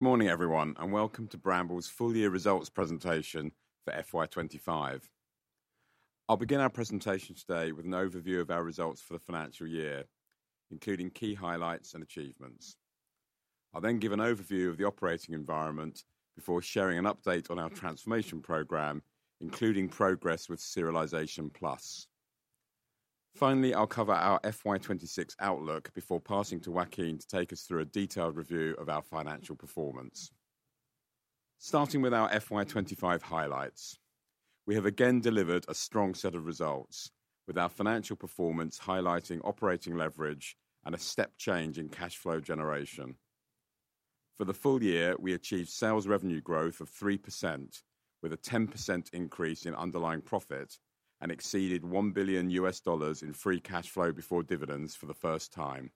Good morning, everyone, and welcome to Brambles' Full-Year Results Presentation for FY 2025. I'll begin our presentation today with an overview of our results for the financial year, including key highlights and achievements. I'll then give an overview of the operating environment before sharing an update on our transformation program, including progress with Serialization+. Finally, I'll cover our FY 2026 outlook before passing to Joaquin to take us through a detailed review of our financial performance. Starting with our FY 2025 highlights, we have again delivered a strong set of results, with our financial performance highlighting operating leverage and a step change in cash flow generation. For the full year, we achieved sales revenue growth of 3%, with a 10% increase in underlying profit and exceeded $1 billion in free cash flow before dividends for the first time.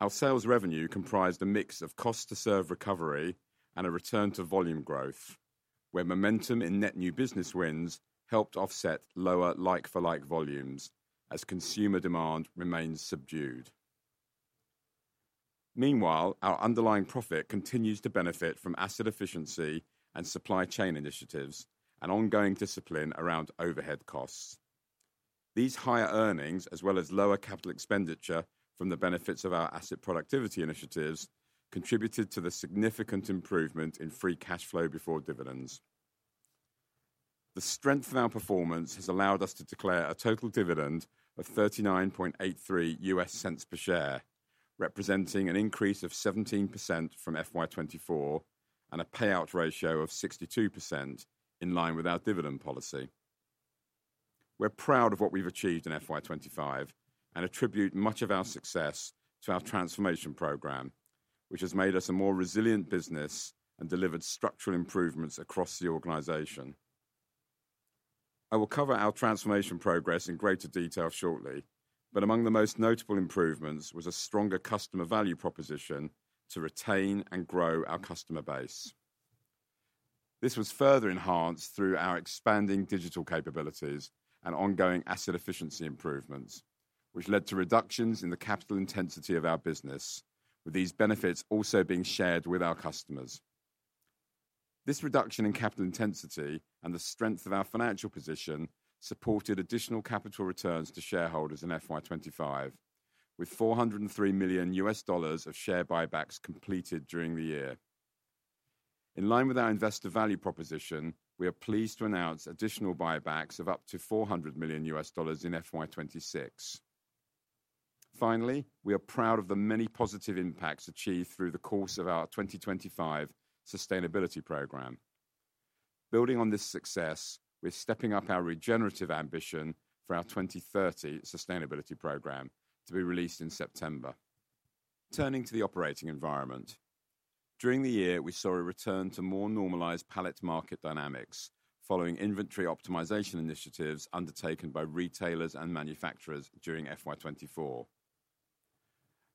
Our sales revenue comprised a mix of cost-to-serve recovery and a return to volume growth, where momentum in net new business wins helped offset lower like-for-like volumes as consumer demand remains subdued. Meanwhile, our underlying profit continues to benefit from asset efficiency and supply chain initiatives, and ongoing discipline around overhead costs. These higher earnings, as well as lower capital expenditure from the benefits of our asset productivity initiatives, contributed to the significant improvement in free cash flow before dividends. The strength of our performance has allowed us to declare a total dividend of $39.83 per share, representing an increase of 17% from FY 2024 and a payout ratio of 62% in line with our dividend policy. We're proud of what we've achieved in FY 2025 and attribute much of our success to our transformation program, which has made us a more resilient business and delivered structural improvements across the organization. I will cover our transformation progress in greater detail shortly, but among the most notable improvements was a stronger customer value proposition to retain and grow our customer base. This was further enhanced through our expanding digital capabilities and ongoing asset efficiency improvements, which led to reductions in the capital intensity of our business, with these benefits also being shared with our customers. This reduction in capital intensity and the strength of our financial position supported additional capital returns to shareholders in FY 2025 with $403 million of share buybacks completed during the year. In line with our investor value proposition, we are pleased to announce additional buybacks of up to $400 million in FY 2026. Finally, we are proud of the many positive impacts achieved through the course of our 2025 Sustainability Programme. Building on this success, we're stepping up our regenerative ambition for our 2030 Sustainability Programme to be released in September. Turning to the operating environment, during the year, we saw a return to more normalized pallet market dynamics following inventory optimization initiatives undertaken by retailers and manufacturers during FY 2024.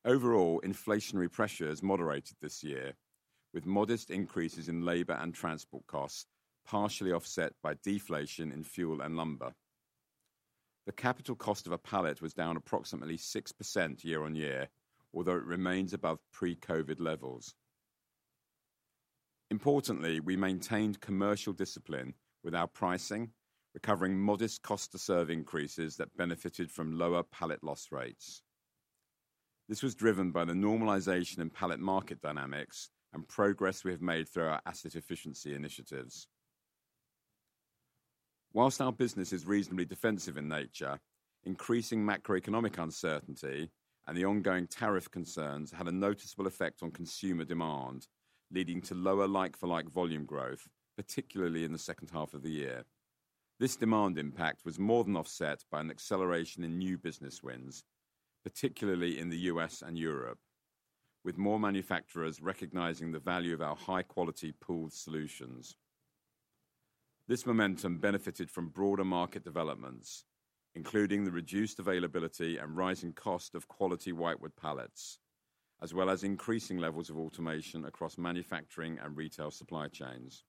Overall, inflationary pressures moderated this year, with modest increases in labor and transport costs partially offset by deflation in fuel and lumber. The capital cost of a pallet was down approximately 6% year-on-year, although it remains above pre-COVID levels. Importantly, we maintained commercial discipline with our pricing, recovering modest cost-to-serve increases that benefited from lower pallet loss rates. This was driven by the normalization in pallet market dynamics and progress we have made through our asset efficiency initiatives. Whilst our business is reasonably defensive in nature, increasing macroeconomic uncertainty and the ongoing tariff concerns had a noticeable effect on consumer demand, leading to lower like-for-like volume growth, particularly in the second half of the year. This demand impact was more than offset by an acceleration in new business wins, particularly in the U.S. and Europe, with more manufacturers recognizing the value of our high-quality pooled solutions. This momentum benefited from broader market developments, including the reduced availability and rising cost of quality whitewood pallets, as well as increasing levels of automation across manufacturing and retail supply chains.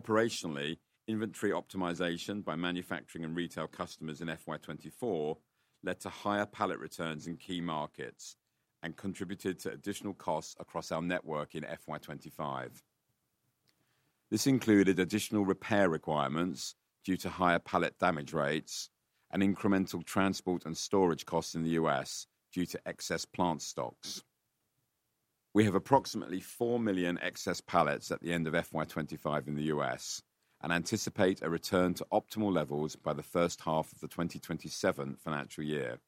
Operationally, inventory optimization by manufacturing and retail customers in FY 2024 led to higher pallet returns in key markets and contributed to additional costs across our network in FY 2025. This included additional repair requirements due to higher pallet damage rates and incremental transport and storage costs in the U.S. due to excess plant stocks. We have approximately 4 million excess pallets at the end of FY 2025 in the U.S. and anticipate a return to optimal levels by the first half of the 2027 financial year.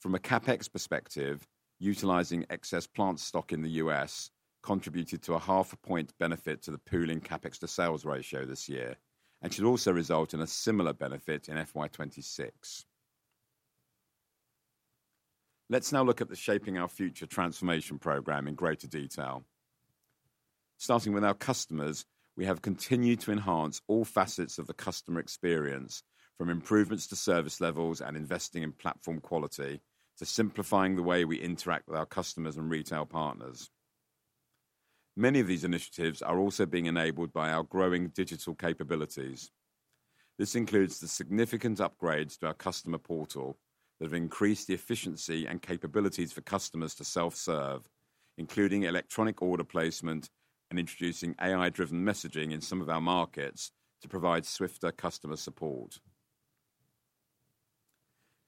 From a CapEx perspective, utilizing excess plant stock in the U.S. contributed to a half-a-point benefit to the pooling CapEx-to-sales ratio this year and should also result in a similar benefit in FY 2026. Let's now look at the Shaping Our Future transformation program in greater detail. Starting with our customers, we have continued to enhance all facets of the customer experience, from improvements to service levels and investing in platform quality to simplifying the way we interact with our customers and retail partners. Many of these initiatives are also being enabled by our growing digital capabilities. This includes the significant upgrades to our customer portal that have increased the efficiency and capabilities for customers to self-serve, including electronic order placement and introducing AI-driven messaging in some of our markets to provide swifter customer support.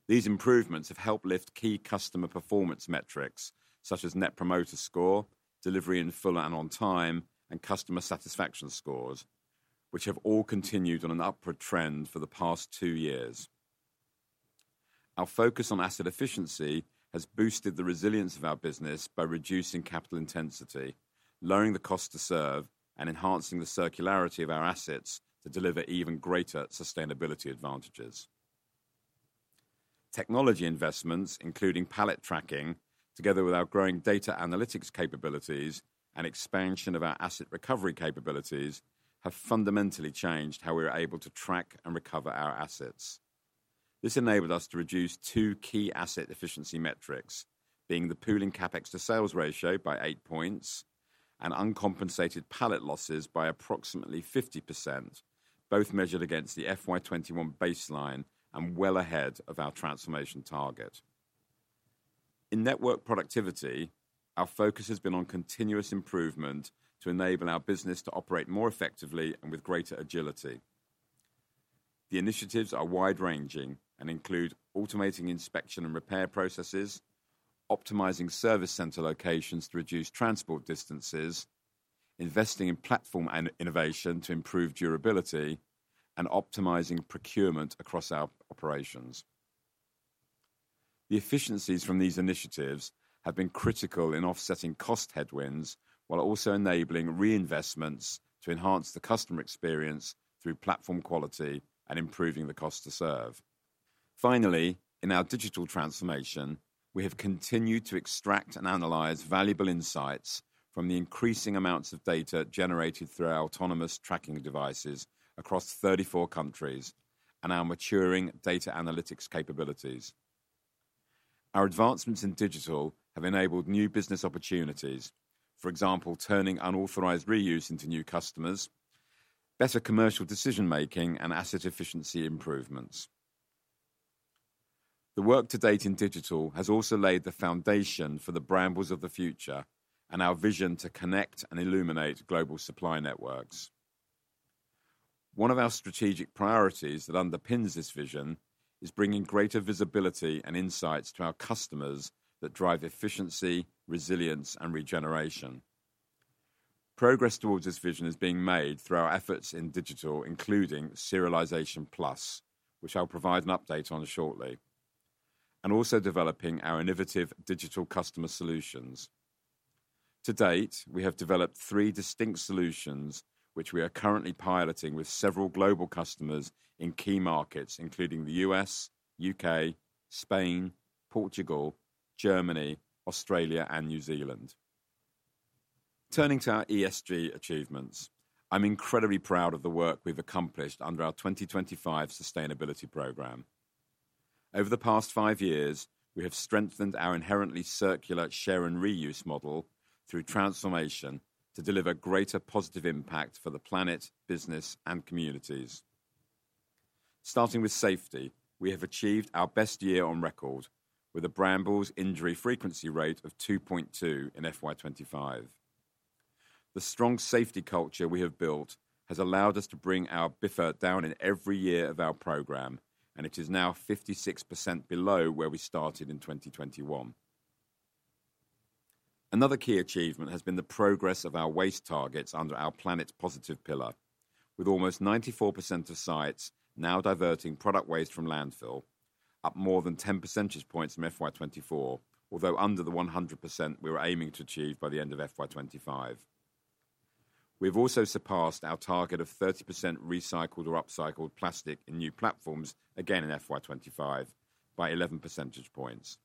These improvements have helped lift key customer performance metrics such as net promoter score, delivery in full and on time, and customer satisfaction scores, which have all continued on an upward trend for the past two years. Our focus on asset efficiency has boosted the resilience of our business by reducing capital intensity, lowering the cost to serve, and enhancing the circularity of our assets to deliver even greater sustainability advantages. Technology investments, including pallet tracking, together with our growing data analytics capabilities and expansion of our asset recovery capabilities, have fundamentally changed how we are able to track and recover our assets. This enabled us to reduce two key asset efficiency metrics, being the pooling CapEx-to-sales ratio by 8 points and uncompensated pallet losses by approximately 50%, both measured against the FY 2021 baseline and well ahead of our transformation target. In network productivity, our focus has been on continuous improvement to enable our business to operate more effectively and with greater agility. The initiatives are wide-ranging and include automating inspection and repair processes, optimizing service center locations to reduce transport distances, investing in platform innovation to improve durability, and optimizing procurement across our operations. The efficiencies from these initiatives have been critical in offsetting cost headwinds while also enabling reinvestments to enhance the customer experience through platform quality and improving the cost to serve. Finally, in our digital transformation, we have continued to extract and analyze valuable insights from the increasing amounts of data generated through our autonomous tracking devices across 34 countries and our maturing data analytics capabilities. Our advancements in digital have enabled new business opportunities, for example, turning unauthorized reuse into new customers, better commercial decision-making, and asset efficiency improvements. The work to date in digital has also laid the foundation for the Brambles of the future and our vision to connect and illuminate global supply networks. One of our strategic priorities that underpins this vision is bringing greater visibility and insights to our customers that drive efficiency, resilience, and regeneration. Progress towards this vision is being made through our efforts in digital, including Serialization+, which I'll provide an update on shortly, and also developing our innovative digital customer solutions. To date, we have developed three distinct solutions, which we are currently piloting with several global customers in key markets, including the U.S., U.K., Spain, Portugal, Germany, Australia, and New Zealand. Turning to our ESG achievements, I'm incredibly proud of the work we've accomplished under our 2025 Sustainability Programme. Over the past five years, we have strengthened our inherently circular share and reuse model through transformation to deliver greater positive impact for the planet, business, and communities. Starting with safety, we have achieved our best year on record with a Brambles Injury Frequency Rate of 2.2 in FY 2025. The strong safety culture we have built has allowed us to bring our BIFR down in every year of our program, and it is now 56% below where we started in 2021. Another key achievement has been the progress of our waste targets under our Planet Positive pillar, with almost 94% of sites now diverting product waste from landfill, up more than 10 percentage points from FY 2024, although under the 100% we were aiming to achieve by the end of FY 2025. We've also surpassed our target of 30% recycled or upcycled plastic in new platforms, again in FY 2025, by 11 percentage points.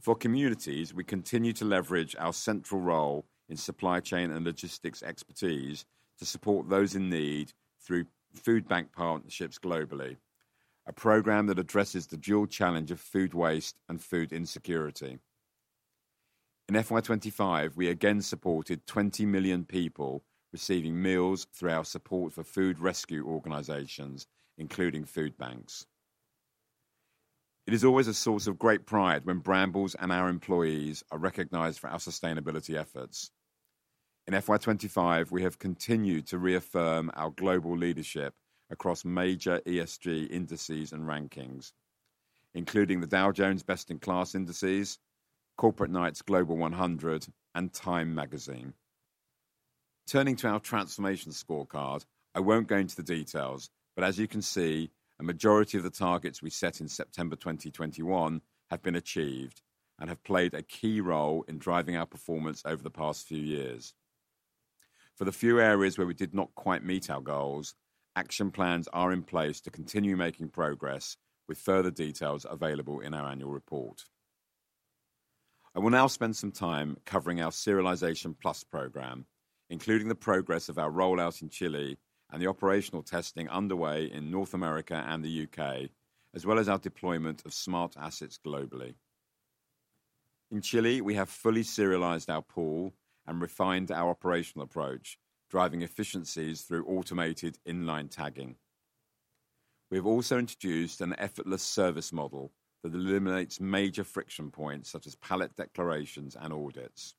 For communities, we continue to leverage our central role in supply chain and logistics expertise to support those in need through food bank partnerships globally, a program that addresses the dual challenge of food waste and food insecurity. In FY 2025, we again supported 20 million people receiving meals through our support for food rescue organizations, including food banks. It is always a source of great pride when Brambles and our employees are recognized for our sustainability efforts. In FY 2025, we have continued to reaffirm our global leadership across major ESG indices and rankings, including the Dow Jones Best-in-Class indices, Corporate Knights' Global 100, and TIME Magazine. Turning to our transformation scorecard, I won't go into the details, but as you can see, a majority of the targets we set in September 2021 have been achieved and have played a key role in driving our performance over the past few years. For the few areas where we did not quite meet our goals, action plans are in place to continue making progress, with further details available in our Annual Report. I will now spend some time covering our Serialization+ program, including the progress of our rollout in Chile and the operational testing underway in North America and the U.K., as well as our deployment of smart assets globally. In Chile, we have fully serialized our pool and refined our operational approach, driving efficiencies through automated inline tagging. We have also introduced an effortless service model that eliminates major friction points such as pallet declarations and audits.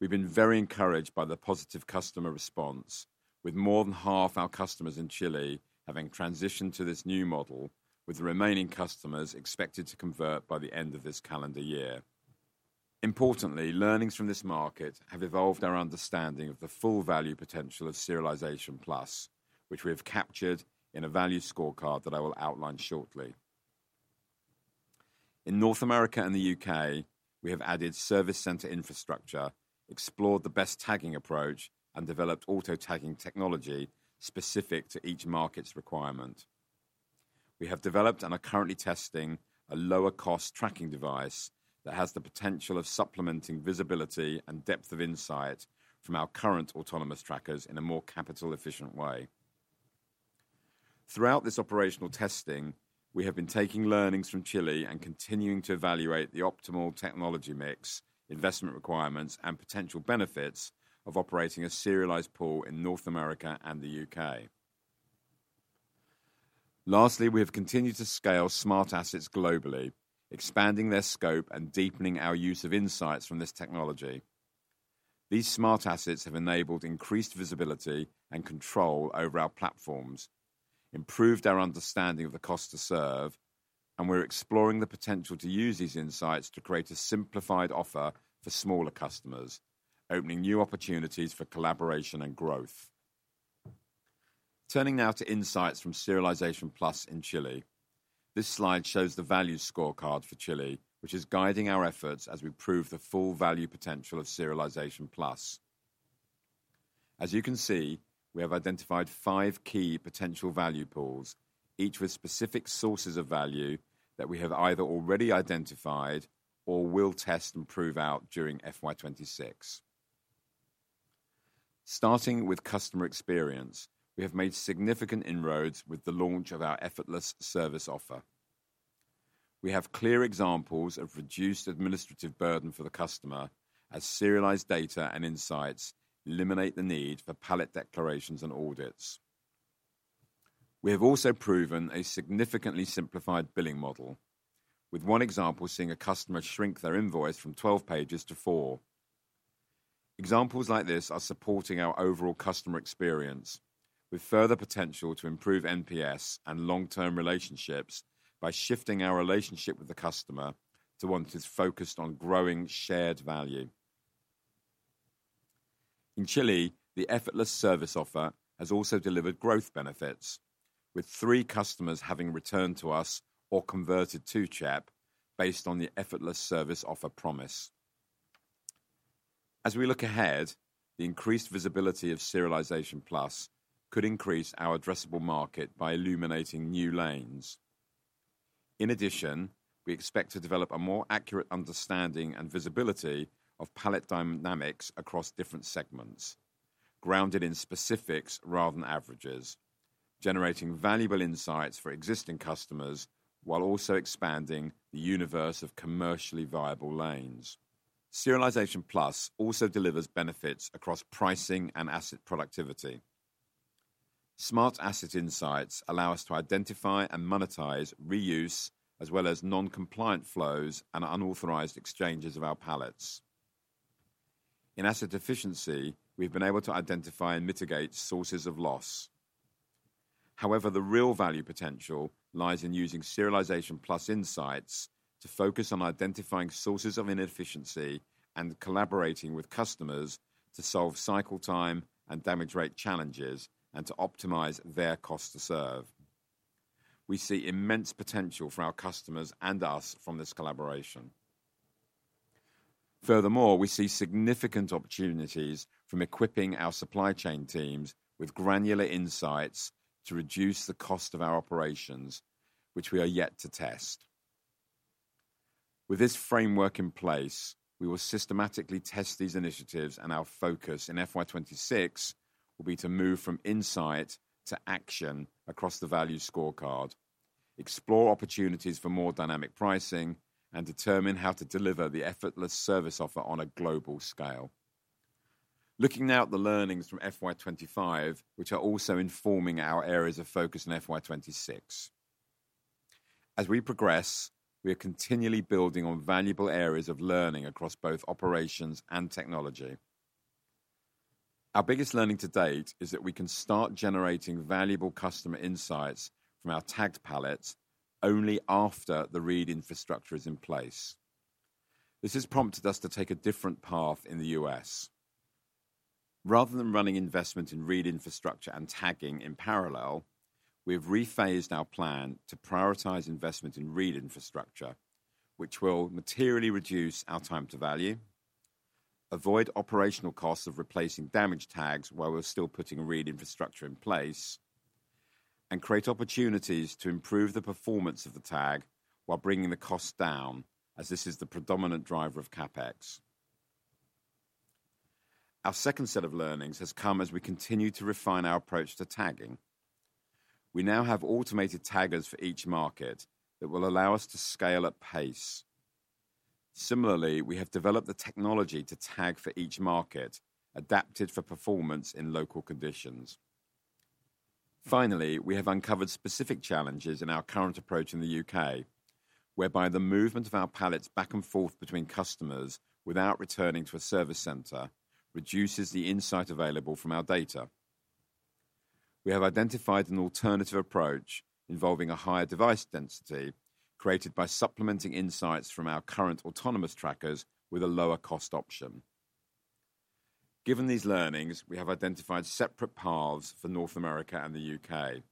We've been very encouraged by the positive customer response, with more than half our customers in Chile having transitioned to this new model, with the remaining customers expected to convert by the end of this calendar year. Importantly, learnings from this market have evolved our understanding of the full value potential of Serialization+, which we have captured in a value scorecard that I will outline shortly. In North America and the U.K., we have added service center infrastructure, explored the best tagging approach, and developed auto tagging technology specific to each market's requirement. We have developed and are currently testing a lower-cost tracking device that has the potential of supplementing visibility and depth of insight from our current autonomous trackers in a more capital-efficient way. Throughout this operational testing, we have been taking learnings from Chile and continuing to evaluate the optimal technology mix, investment requirements, and potential benefits of operating a serialized pool in North America and the U.K. Lastly, we have continued to scale smart assets globally, expanding their scope and deepening our use of insights from this technology. These smart assets have enabled increased visibility and control over our platforms, improved our understanding of the cost to serve, and we're exploring the potential to use these insights to create a simplified offer for smaller customers, opening new opportunities for collaboration and growth. Turning now to insights from Serialization+ in Chile, this slide shows the value scorecard for Chile, which is guiding our efforts as we prove the full value potential of Serialization+. As you can see, we have identified five key potential value pools, each with specific sources of value that we have either already identified or will test and prove out during FY 2026. Starting with customer experience, we have made significant inroads with the launch of our effortless service offer. We have clear examples of reduced administrative burden for the customer as serialized data and insights eliminate the need for pallet declarations and audits. We have also proven a significantly simplified billing model, with one example seeing a customer shrink theifr invoice from 12 pages to four. Examples like this are supporting our overall customer experience, with further potential to improve NPS and long-term relationships by shifting our relationship with the customer to one that is focused on growing shared value. In Chile, the effortless service offer has also delivered growth benefits, with three customers having returned to us or converted to CHEP based on the effortless service offer promise. As we look ahead, the increased visibility of Serialization+ could increase our addressable market by illuminating new lanes. In addition, we expect to develop a more accurate understanding and visibility of pallet dynamics across different segments, grounded in specifics rather than averages, generating valuable insights for existing customers while also expanding the universe of commercially viable lanes. Serialization+ also delivers benefits across pricing and asset productivity. Smart asset insights allow us to identify and monetize reuse, as well as non-compliant flows and unauthorized exchanges of our pallets. In asset efficiency, we've been able to identify and mitigate sources of loss. However, the real value potential lies in using Serialization+ insights to focus on identifying sources of inefficiency and collaborating with customers to solve cycle time and damage rate challenges and to optimize their cost to serve. We see immense potential for our customers and us from this collaboration. Furthermore, we see significant opportunities from equipping our supply chain teams with granular insights to reduce the cost of our operations, which we are yet to test. With this framework in place, we will systematically test these initiatives and our focus in FY 2026 will be to move from insight to action across the value scorecard, explore opportunities for more dynamic pricing, and determine how to deliver the effortless service offer on a global scale. Looking now at the learnings from FY 2025, which are also informing our areas of focus in FY 2026. As we progress, we are continually building on valuable areas of learning across both operations and technology. Our biggest learning to date is that we can start generating valuable customer insights from our tagged pallets only after the read infrastructure is in place. This has prompted us to take a different path in the U.S. Rather than running investments in read infrastructure and tagging in parallel, we have rephased our plan to prioritize investments in read infrastructure, which will materially reduce our time to value, avoid operational costs of replacing damaged tags while we're still putting read infrastructure in place, and create opportunities to improve the performance of the tag while bringing the cost down as this is the predominant driver of CapEx. Our second set of learnings has come as we continue to refine our approach to tagging. We now have automated taggers for each market that will allow us to scale at pace. Similarly, we have developed the technology to tag for each market, adapted for performance in local conditions. Finally, we have uncovered specific challenges in our current approach in the U.K., whereby the movement of our pallets back and forth between customers without returning to a service center reduces the insight available from our data. We have identified an alternative approach involving a higher device density created by supplementing insights from our current autonomous trackers with a lower cost option. Given these learnings, we have identified separate paths for North America and the U.K.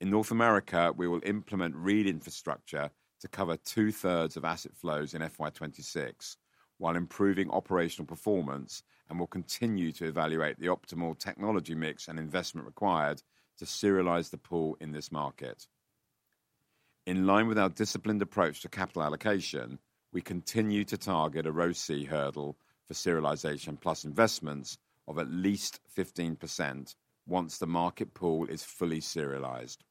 In North America, we will implement read infrastructure to cover two-thirds of asset flows in FY 2026 while improving operational performance and will continue to evaluate the optimal technology mix and investment required to serialize the pool in this market. In line with our disciplined approach to capital allocation, we continue to target a ROCI hurdle for Serialization+ investments of at least 15% once the market pool is fully serialized.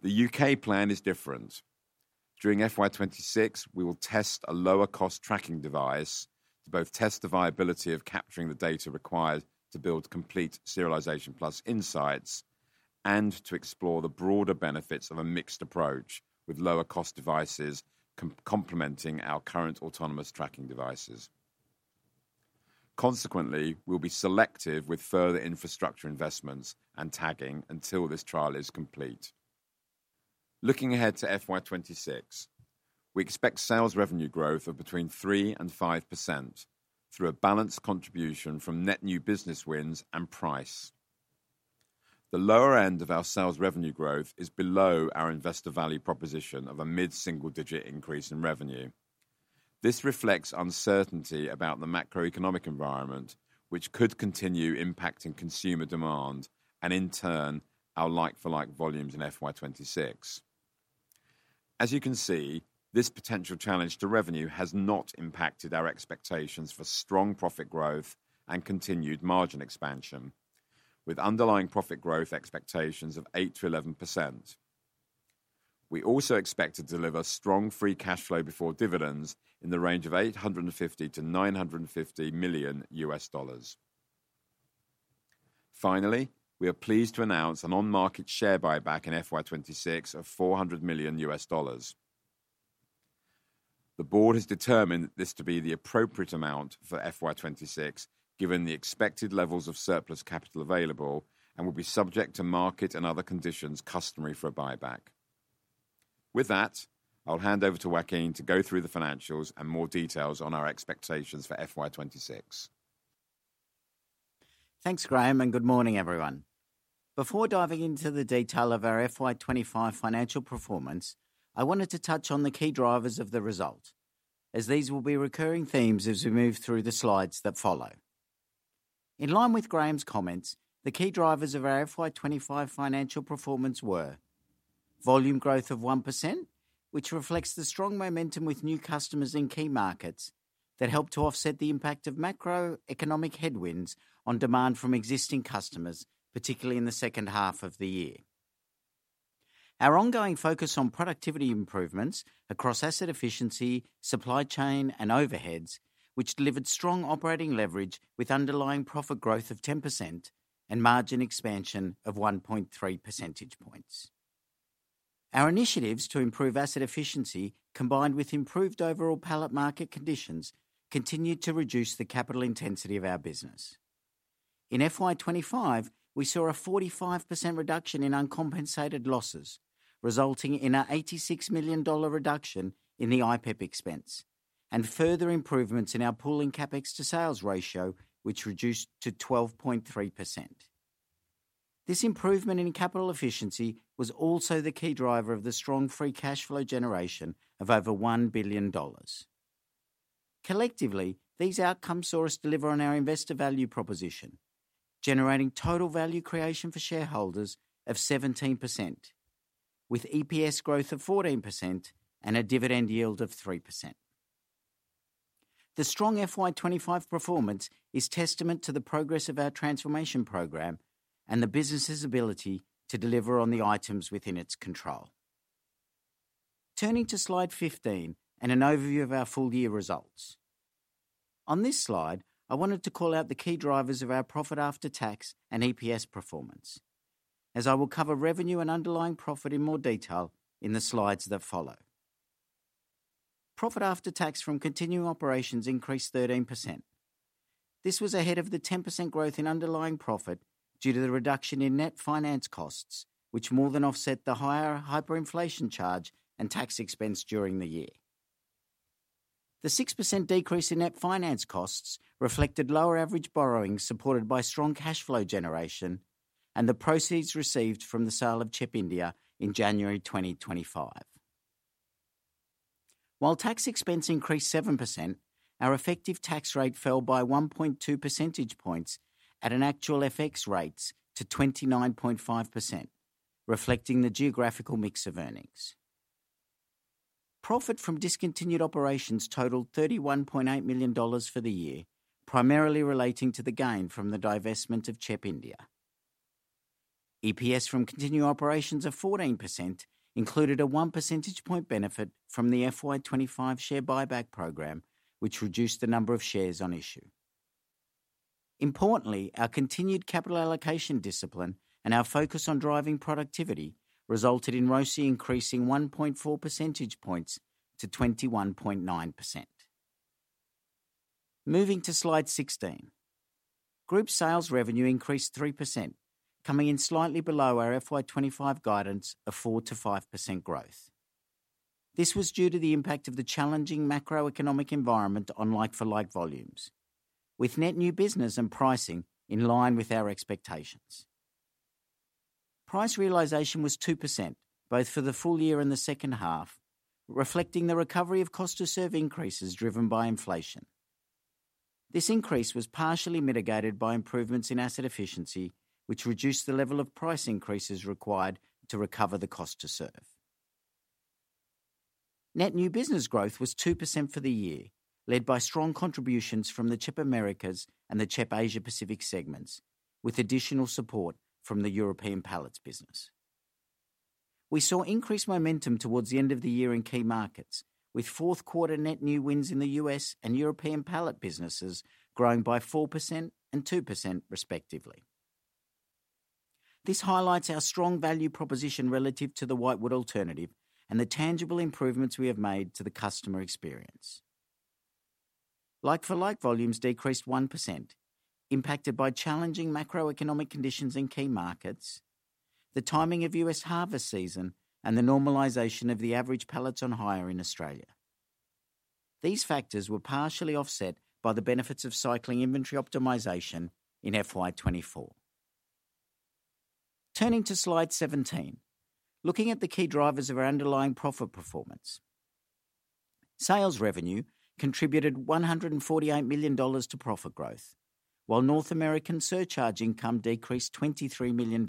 The U.K. plan is different. During FY 2026, we will test a lower-cost tracking device to both test the viability of capturing the data required to build complete Serialization+ insights and to explore the broader benefits of a mixed approach with lower-cost devices complementing our current autonomous tracking devices. Consequently, we'll be selective with further infrastructure investments and tagging until this trial is complete. Looking ahead to FY 2026, we expect sales revenue growth of between 3% and 5% through a balanced contribution from net new business wins and price. The lower end of our sales revenue growth is below our investor value proposition of a mid-single-digit increase in revenue. This reflects uncertainty about the macro-economic environment, which could continue impacting consumer demand and, in turn, our like-for-like volumes in FY 2026. As you can see, this potential challenge to revenue has not impacted our expectations for strong profit growth and continued margin expansion, with underlying profit growth expectations of 8%-11%. We also expect to deliver strong free cash flow before dividends in the range of $850 million-$950 million. Finally, we are pleased to announce an on-market share buyback in FY 2026 of $400 million. The board has determined this to be the appropriate amount for FY 2026, given the expected levels of surplus capital available and will be subject to market and other conditions customary for a buyback. With that, I'll hand over to Joaquin to go through the financials and more details on our expectations for FY 2026. Thanks, Graham, and good morning, everyone. Before diving into the detail of our FY 2025 financial performance, I wanted to touch on the key drivers of the result, as these will be recurring themes as we move through the slides that follow. In line with Graham's comments, the key drivers of our FY 2025 financial performance were volume growth of 1%, which reflects the strong momentum with new customers in key markets that helped to offset the impact of macro-economic headwinds on demand from existing customers, particularly in the second half of the year. Our ongoing focus on productivity improvements across asset efficiency, supply chain, and overheads, which delivered strong operating leverage with underlying profit growth of 10% and margin expansion of 1.3 percentage points. Our initiatives to improve asset efficiency, combined with improved overall pallet market conditions, continued to reduce the capital intensity of our business. In FY 2025, we saw a 45% reduction in uncompensated losses, resulting in an $86 million reduction in the IPEP expense and further improvements in our pooling CapEx-to-sales ratio, which reduced to 12.3%. This improvement in capital efficiency was also the key driver of the strong free cash flow generation of over $1 billion. Collectively, these outcomes saw us deliver on our investor value proposition, generating total value creation for shareholders of 17%, with EPS growth of 14% and a dividend yield of 3%. The strong FY 2025 performance is testament to the progress of our transformation program and the business's ability to deliver on the items within its control. Turning to slide 15 and an overview of our full-year results. On this slide, I wanted to call out the key drivers of our profit after tax and EPS performance, as I will cover revenue and underlying profit in more detail in the slides that follow. Profit after tax from continuing operations increased 13%. This was ahead of the 10% growth in underlying profit due to the reduction in net finance costs, which more than offset the higher hyperinflation charge and tax expense during the year. The 6% decrease in net finance costs reflected lower average borrowing supported by strong cash flow generation and the proceeds received from the sale of CHEP India in January 2025. While tax expense increased 7%, our effective tax rate fell by 1.2 percentage points at an actual FX rate to 29.5%, reflecting the geographical mix of earnings. Profit from discontinued operations totaled $31.8 million for the year, primarily relating to the gain from the divestment of CHEP India. EPS from continuing operations of 14% included a 1 percentage point benefit from the FY 2025 share buy-back program, which reduced the number of shares on issue. Importantly, our continued capital allocation discipline and our focus on driving productivity resulted in ROCI increasing 1.4 percentage points to 21.9%. Moving to slide 16, group sales revenue increased 3%, coming in slightly below our FY 2025 guidance of 4% to 5% growth. This was due to the impact of the challenging macro-economic environment on like-for-like volumes, with net new business and pricing in line with our expectations. Price realization was 2%, both for the full year and the second half, reflecting the recovery of cost-to-serve increases driven by inflation. This increase was partially mitigated by improvements in asset efficiency, which reduced the level of price increases required to recover the cost to serve. Net new business growth was 2% for the year, led by strong contributions from the CHEP Americas and the CHEP Asia Pacific segments, with additional support from the European pallets business. We saw increased momentum towards the end of the year in key markets, with fourth quarter net new wins in the U.S. and European pallet businesses growing by 4% and 2%, respectively. This highlights our strong value proposition relative to the whitewood alternative and the tangible improvements we have made to the customer experience. Like-for-like volumes decreased 1%, impacted by challenging macro-economic conditions in key markets, the timing of U.S. harvest season, and the normalization of the average pallets on hire in Australia. These factors were partially offset by the benefits of cycling inventory optimization in FY 2024. Turning to slide 17, looking at the key drivers of our underlying profit performance. Sales revenue contributed $148 million to profit growth, while North American surcharge income decreased $23 million,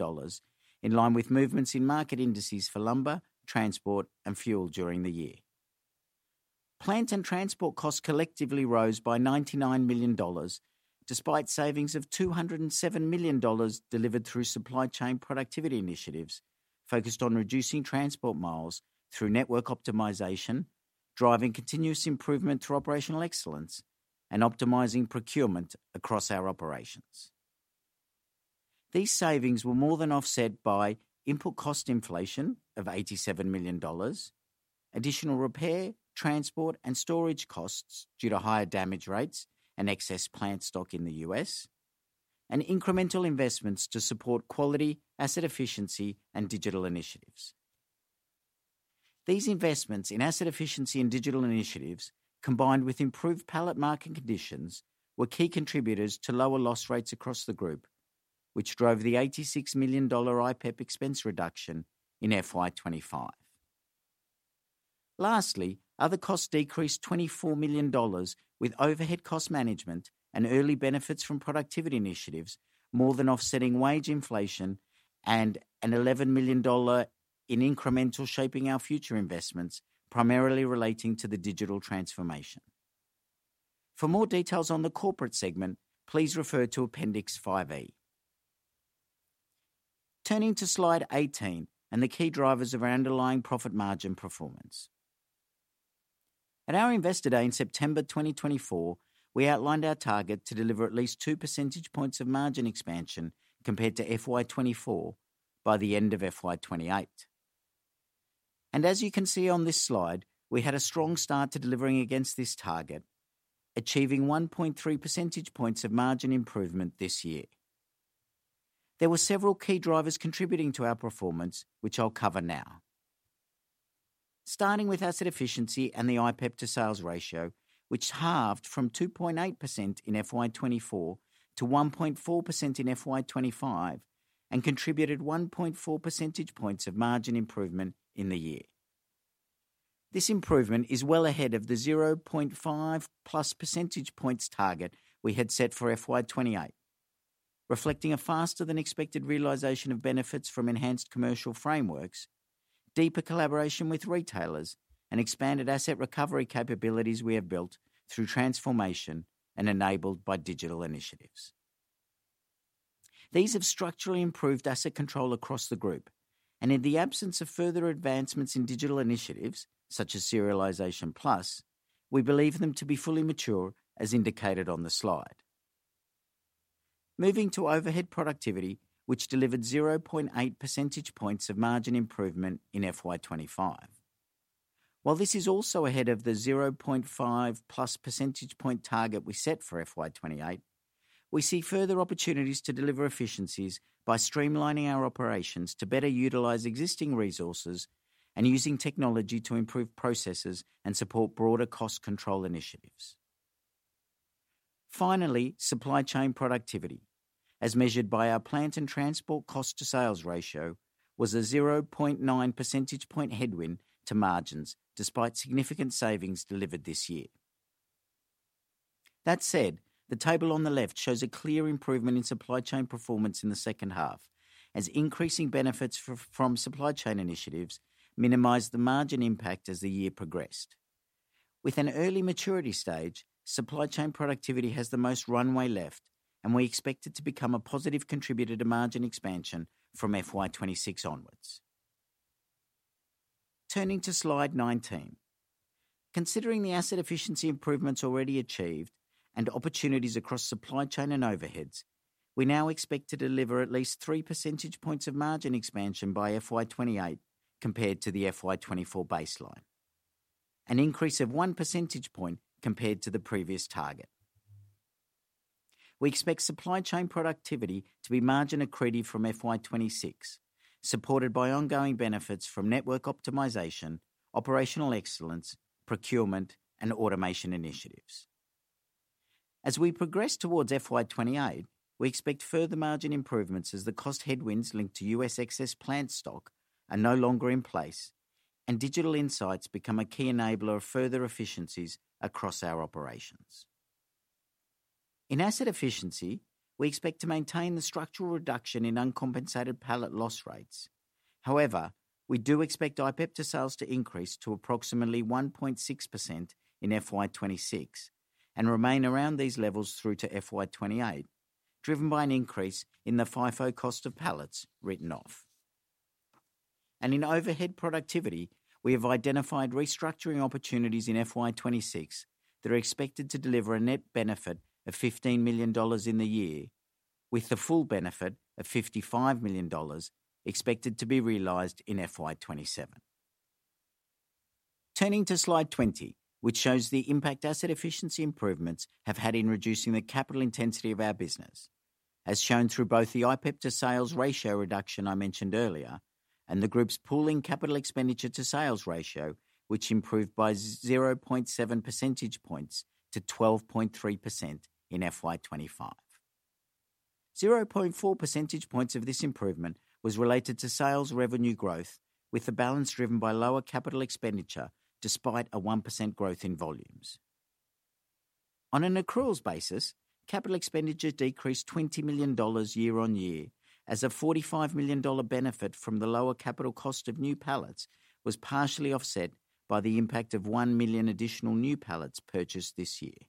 in line with movements in market indices for lumber, transport, and fuel during the year. Plant and transport costs collectively rose by $99 million, despite savings of $207 million delivered through supply chain productivity initiatives focused on reducing transport miles through network optimization, driving continuous improvement through operational excellence, and optimizing procurement across our operations. These savings were more than offset by input cost inflation of $87 million, additional repair, transport, and storage costs due to higher damage rates and excess plant stock in the U.S., and incremental investments to support quality, asset efficiency, and digital initiatives. These investments in asset efficiency and digital initiatives, combined with improved pallet market conditions, were key contributors to lower loss rates across the group, which drove the $86 million IPEP expense reduction in FY 2025. Lastly, other costs decreased $24 million with overhead cost management and early benefits from productivity initiatives, more than offsetting wage inflation, and an $11 million in incremental shaping our future investments, primarily relating to the digital transformation. For more details on the corporate segment, please refer to Appendix 5E. Turning to slide 18 and the key drivers of our underlying profit margin performance. At our Investor Day in September 2024, we outlined our target to deliver at least 2 percentage points of margin expansion compared to FY 2024 by the end of FY 2028. As you can see on this slide, we had a strong start to delivering against this target, achieving 1.3 percentage points of margin improvement this year. There were several key drivers contributing to our performance, which I'll cover now. Starting with asset efficiency and the IPEP-to-sales ratio, which halved from 2.8% in FY 2024 to 1.4% in FY 2025 and contributed 1.4 percentage points of margin improvement in the year. This improvement is well ahead of the 0.5+ percentage points target we had set for FY 2028, reflecting a faster-than-expected realization of benefits from enhanced commercial frameworks, deeper collaboration with retailers, and expanded asset recovery capabilities we have built through transformation and enabled by digital initiatives. These have structurally improved asset control across the group, and in the absence of further advancements in digital initiatives such as Serialization+, we believe them to be fully mature as indicated on the slide. Moving to overhead productivity, which delivered 0.8 percentage points of margin improvement in FY 2025. While this is also ahead of the 0.5+ percentage point target we set for FY 2028, we see further opportunities to deliver efficiencies by streamlining our operations to better utilize existing resources and using technology to improve processes and support broader cost control initiatives. Finally, supply chain productivity, as measured by our plant and transport cost-to-sales ratio, was a 0.9 percentage point headwind to margins despite significant savings delivered this year. That said, the table on the left shows a clear improvement in supply chain performance in the second half, as increasing benefits from supply chain initiatives minimized the margin impact as the year progressed. With an early maturity stage, supply chain productivity has the most runway left, and we expect it to become a positive contributor to margin expansion from FY 2026 onwards. Turning to slide 19, considering the asset efficiency improvements already achieved and opportunities across supply chain and overheads, we now expect to deliver at least 3 percentage points of margin expansion by FY 2028 compared to the FY 2024 baseline, an increase of 1 percentage point compared to the previous target. We expect supply chain productivity to be margin accretive from FY 2026, supported by ongoing benefits from network optimization, operational excellence, procurement, and automation initiatives. As we progress towards FY 2028, we expect further margin improvements as the cost headwinds linked to U.S. excess plant stock are no longer in place, and digital insights become a key enabler of further efficiencies across our operations. In asset efficiency, we expect to maintain the structural reduction in uncompensated pallet loss rates. However, we do expect IPEP-to-sales to increase to approximately 1.6% in FY 2026 and remain around these levels through to FY 2028, driven by an increase in the FIFO cost of pallets written off. In overhead productivity, we have identified restructuring opportunities in FY 2026 that are expected to deliver a net benefit of $15 million in the year, with a full benefit of $55 million expected to be realized in FY 2027. Turning to slide 20, which shows the impact asset efficiency improvements have had in reducing the capital intensity of our business, as shown through both the IPEP-to-sales ratio reduction I mentioned earlier and the group's pooling CapEx-to-sales ratio, which improved by 0.7 percentage points to 12.3% in FY 2025. 0.4 percentage points of this improvement was related to sales revenue growth, with the balance driven by lower capital expenditure despite a 1% growth in volumes. On an accruals basis, capital expenditure decreased $20 million year-on-year, as a $45 million benefit from the lower capital cost of new pallets was partially offset by the impact of 1 million additional new pallets purchased this year.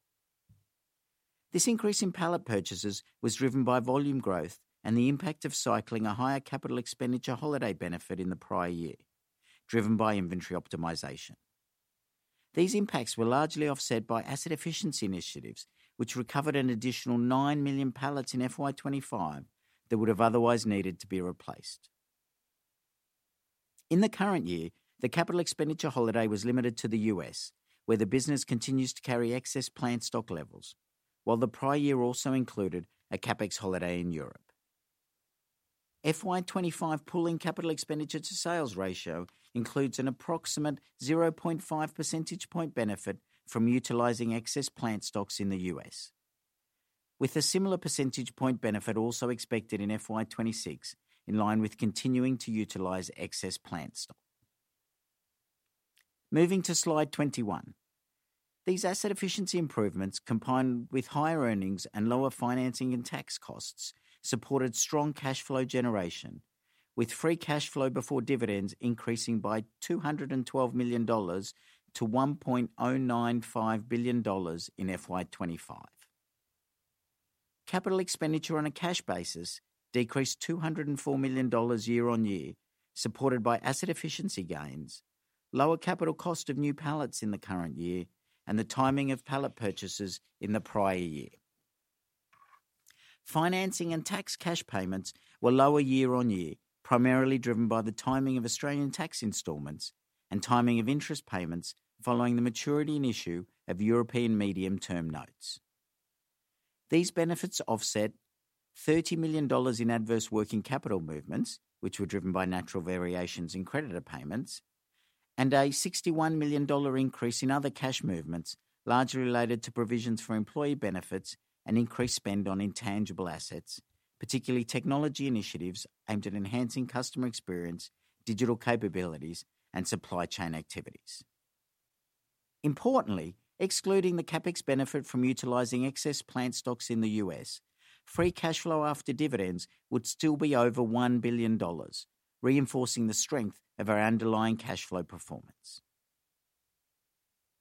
This increase in pallet purchases was driven by volume growth and the impact of cycling a higher capital expenditure holiday benefit in the prior year, driven by inventory optimization. These impacts were largely offset by asset efficiency initiatives, which recovered an additional 9 million pallets in FY 2025 that would have otherwise needed to be replaced. In the current year, the capital expenditure holiday was limited to the U.S., where the business continues to carry excess plant stock levels, while the prior year also included a CapEx holiday in Europe. FY 2025 pooling CapEx-to-sales ratio includes an approximate 0.5% benefit from utilizing excess plant stocks in the U.S., with a similar percentage point benefit also expected in FY 2026, in line with continuing to utilize excess plant stock. Moving to slide 21, these asset efficiency improvements, combined with higher earnings and lower financing and tax costs, supported strong cash flow generation, with free cash flow before dividends increasing by $212 million to $1.095 billion in FY 2025. Capital expenditure on a cash basis decreased $204 million year-on-year, supported by asset efficiency gains, lower capital cost of new pallets in the current year, and the timing of pallet purchases in the prior year. Financing and tax cash payments were lower year-on-year, primarily driven by the timing of Australian tax installments and timing of interest payments following the maturity and issue of European medium-term notes. These benefits offset $30 million in adverse working capital movements, which were driven by natural variations in creditor payments, and a $61 million increase in other cash movements, largely related to provisions for employee benefits and increased spend on intangible assets, particularly technology initiatives aimed at enhancing customer experience, digital capabilities, and supply chain activities. Importantly, excluding the CapEx benefit from utilizing excess plant stocks in the U.S., free cash flow after dividends would still be over $1 billion, reinforcing the strength of our underlying cash flow performance.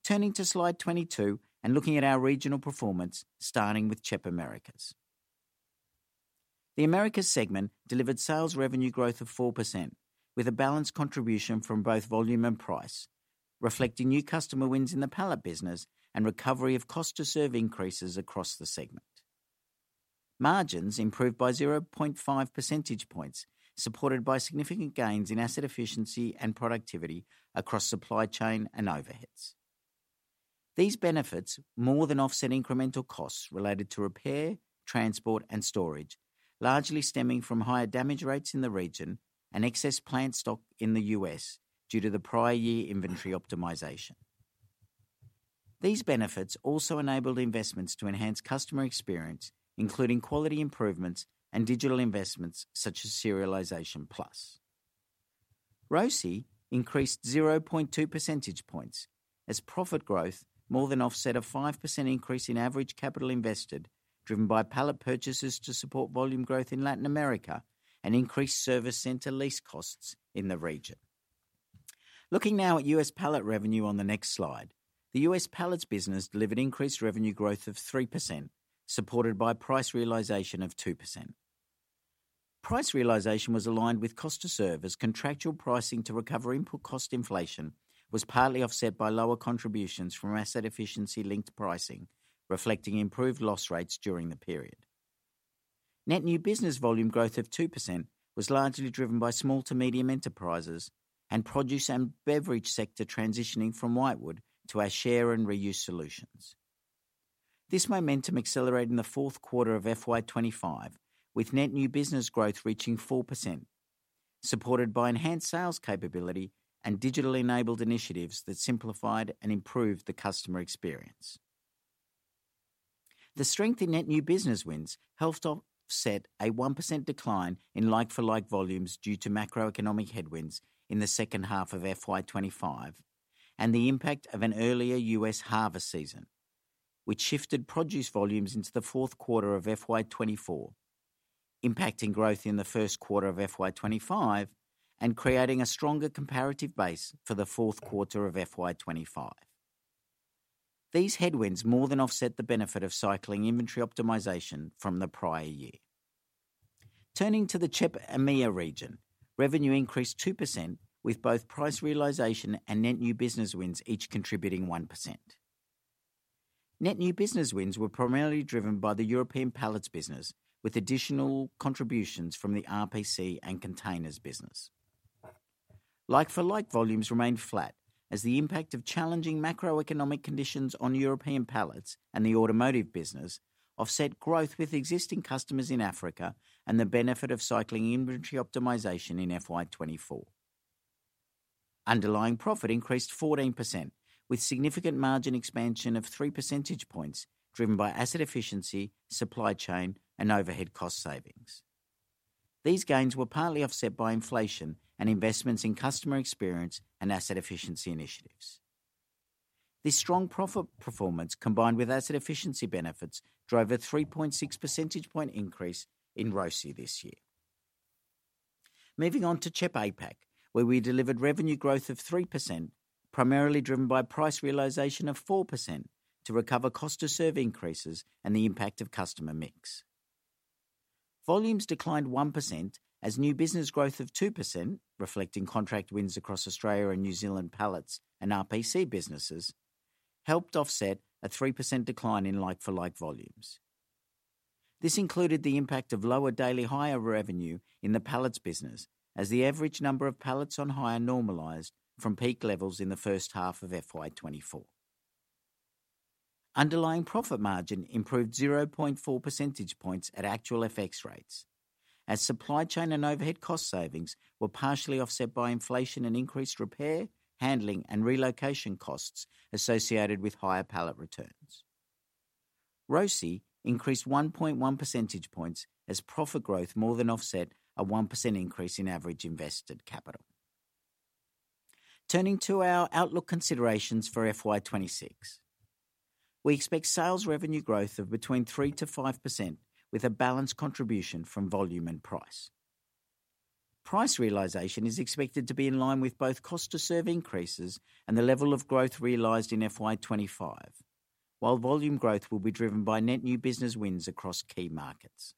Turning to slide 22 and looking at our regional performance, starting with CHEP Americas. The Americas segment delivered sales revenue growth of 4%, with a balanced contribution from both volume and price, reflecting new customer wins in the pallet business and recovery of cost-to-serve increases across the segment. Margins improved by 0.5 percentage points, supported by significant gains in asset efficiency and productivity across supply chain and overheads. These benefits more than offset incremental costs related to repair, transport, and storage, largely stemming from higher damage rates in the region and excess plant stock in the U.S. due to the prior year inventory optimization. These benefits also enabled investments to enhance customer experience, including quality improvements and digital investments such as Serialization+. ROCI increased 0.2 percentage points, as profit growth more than offset a 5% increase in average capital invested, driven by pallet purchases to support volume growth in Latin America and increased service center lease costs in the region. Looking now at U.S. pallet revenue on the next slide, the U.S. pallets business delivered increased revenue growth of 3%, supported by price realization of 2%. Price realization was aligned with cost to serve as contractual pricing to recover input cost inflation was partly offset by lower contributions from asset efficiency linked to pricing, reflecting improved loss rates during the period. Net new business volume growth of 2% was largely driven by small to medium enterprises and produce and beverage sector transitioning from whitewood to our share and reuse solutions. This momentum accelerated in the fourth quarter of FY 2025, with net new business growth reaching 4%, supported by enhanced sales capability and digitally enabled initiatives that simplified and improved the customer experience. The strength in net new business wins helped offset a 1% decline in like-for-like volumes due to macro-economic headwinds in the second half of FY 2025 and the impact of an earlier U.S. harvest season, which shifted produce volumes into the fourth quarter of FY 2024, impacting growth in the first quarter of FY 2025 and creating a stronger comparative base for the fourth quarter of FY 2025. These headwinds more than offset the benefit of cycling inventory optimization from the prior year. Turning to the CHEP EMEA region, revenue increased 2% with both price realization and net new business wins each contributing 1%. Net new business wins were primarily driven by the European pallets business, with additional contributions from the RPC and containers business. Like-for-like volumes remained flat, as the impact of challenging macro-economic conditions on European pallets and the automotive business offset growth with existing customers in Africa and the benefit of cycling inventory optimization in FY 2024. Underlying profit increased 14%, with significant margin expansion of 3 percentage points, driven by asset efficiency, supply chain, and overhead cost savings. These gains were partly offset by inflation and investments in customer experience and asset efficiency initiatives. This strong profit performance, combined with asset efficiency benefits, drove a 3.6 percentage point increase in return on capital invested this year. Moving on to CHEP Asia-Pacific, where we delivered revenue growth of 3%, primarily driven by price realization of 4% to recover cost-to-serve increases and the impact of customer mix. Volumes declined 1%, as new business growth of 2%, reflecting contract wins across Australia and New Zealand pallets and RPC businesses, helped offset a 3% decline in like-for-like volumes. This included the impact of lower daily hire revenue in the pallets business, as the average number of pallets on hire normalized from peak levels in the first half of FY 2024. Underlying profit margin improved 0.4 percentage points at actual FX rates, as supply chain and overhead cost savings were partially offset by inflation and increased repair, handling, and relocation costs associated with higher pallet returns. Return on capital invested increased 1.1 percentage points, as profit growth more than offset a 1% increase in average invested capital. Turning to our outlook considerations for FY 2026, we expect sales revenue growth of between 3% to 5%, with a balanced contribution from volume and price. Price realization is expected to be in line with both cost-to-serve increases and the level of growth realized in FY 2025, while volume growth will be driven by net new business wins across key markets.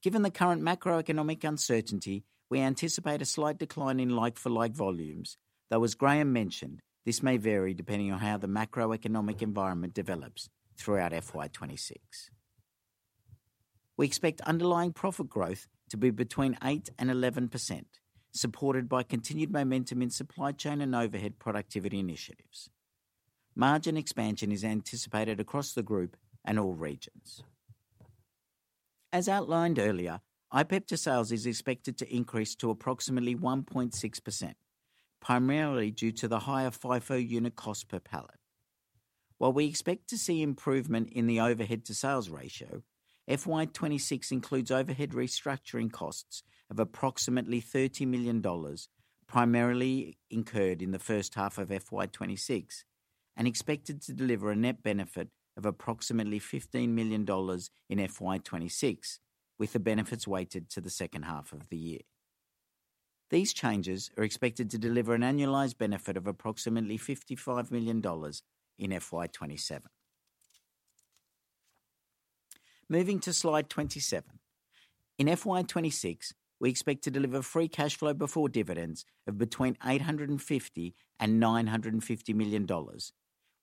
Given the current macro-economic uncertainty, we anticipate a slight decline in like-for-like volumes, though as Graham mentioned, this may vary depending on how the macro-economic environment develops throughout FY 2026. We expect underlying profit growth to be between 8% and 11%, supported by continued momentum in supply chain and overhead productivity initiatives. Margin expansion is anticipated across the group and all regions. As outlined earlier, CapEx-to-sales is expected to increase to approximately 1.6%, primarily due to the higher FIFO unit cost per pallet. While we expect to see improvement in the overhead-to-sales ratio, FY 2026 includes overhead restructuring costs of approximately $30 million, primarily incurred in the first half of FY 2026, and expected to deliver a net benefit of approximately $15 million in FY 2026, with the benefits weighted to the second half of the year. These changes are expected to deliver an annualized benefit of approximately $55 million in FY 2027. Moving to slide 27, in FY 2026, we expect to deliver free cash flow before dividends of between $850 million and $950 million,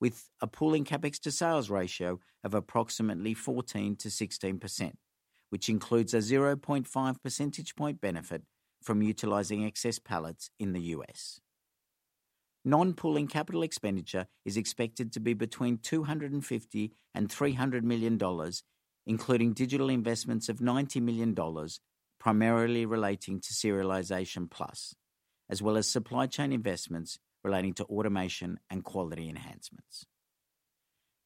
with a pooling CapEx-to-sales ratio of approximately 14%-16%, which includes a 0.5 percentage point benefit from utilizing excess pallets in the U.S. Non-pooling capital expenditure is expected to be between $250 million and $300 million, including digital investments of $90 million, primarily relating to Serialization+, as well as supply chain investments relating to automation and quality enhancements.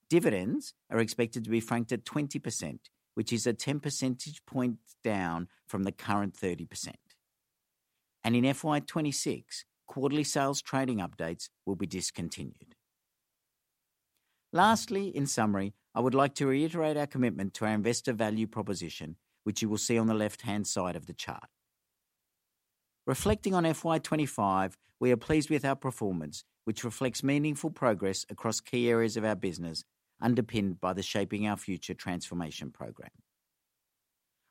Dividends are expected to be franked at 20%, which is a 10 percentage point down from the current 30%. In FY 2026, quarterly sales trading updates will be discontinued. Lastly, in summary, I would like to reiterate our commitment to our investor value proposition, which you will see on the left-hand side of the chart. Reflecting on FY 2025, we are pleased with our performance, which reflects meaningful progress across key areas of our business, underpinned by the shaping our future transformation program.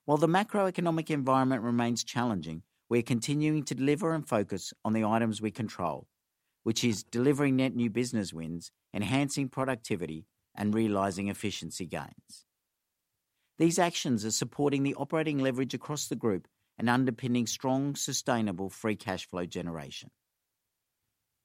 While the macro-economic environment remains challenging, we are continuing to deliver and focus on the items we control, which is delivering net new business wins, enhancing productivity, and realizing efficiency gains. These actions are supporting the operating leverage across the group and underpinning strong, sustainable free cash flow generation.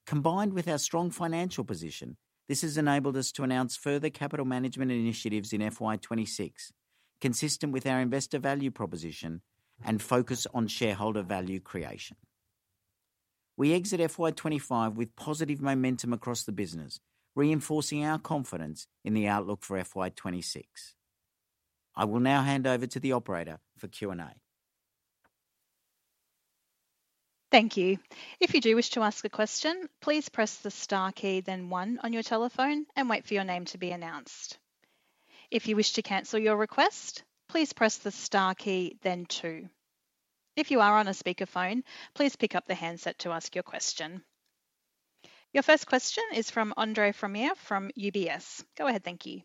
Combined with our strong financial position, this has enabled us to announce further capital management initiatives in FY 2026, consistent with our investor value proposition and focus on shareholder value creation. We exit FY 2025 with positive momentum across the business, reinforcing our confidence in the outlook for FY 2026. I will now hand over to the operator for Q&A. Thank you. If you do wish to ask a question, please press the star key, then one on your telephone, and wait for your name to be announced. If you wish to cancel your request, please press the star key, then two. If you are on a speakerphone, please pick up the handset to ask your question. Your first question is from Andre Fromyhr from UBS. Go ahead, thank you.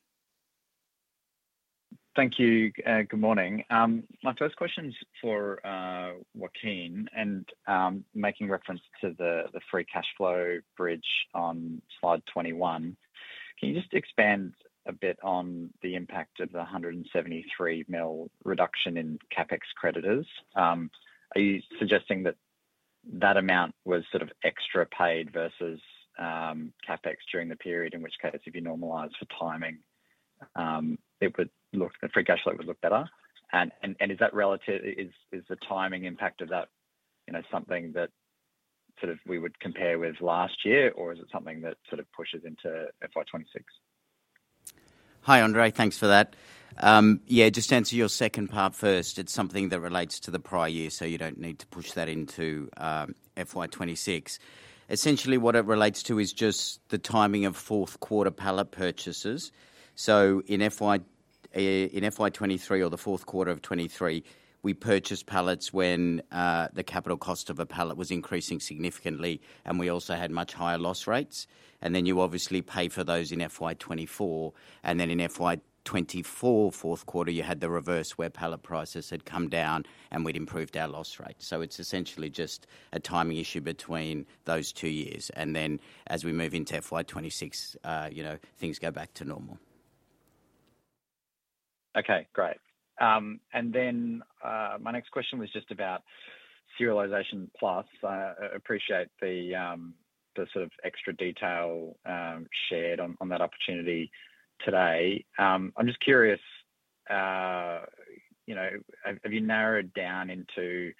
Thank you. Good morning. My first question is for Joaquin, and making reference to the free cash flow bridge on slide 21, can you just expand a bit on the impact of the $173 million reduction in CapEx creditors? Are you suggesting that that amount was sort of extra paid versus CapEx during the period, in which case, if you normalize for timing, the free cash flow would look better? Is the timing impact of that something that we would compare with last year, or is it something that pushes into FY 2026? Hi, Andre, thanks for that. Just to answer your second part first, it's something that relates to the prior year, so you don't need to push that into FY 2026. Essentially, what it relates to is just the timing of fourth quarter pallet purchases. In FY 2023 or the fourth quarter of 2023, we purchased pallets when the capital cost of a pallet was increasing significantly, and we also had much higher loss rates. You obviously pay for those in FY 2024, and in FY 2024 fourth quarter, you had the reverse where pallet prices had come down and we'd improved our loss rate. It's essentially just a timing issue between those two years, and as we move into FY 2026, you know, things go back to normal. Okay, great. My next question was just about Serialization+. I appreciate the sort of extra detail shared on that opportunity today. I'm just curious, have you narrowed down into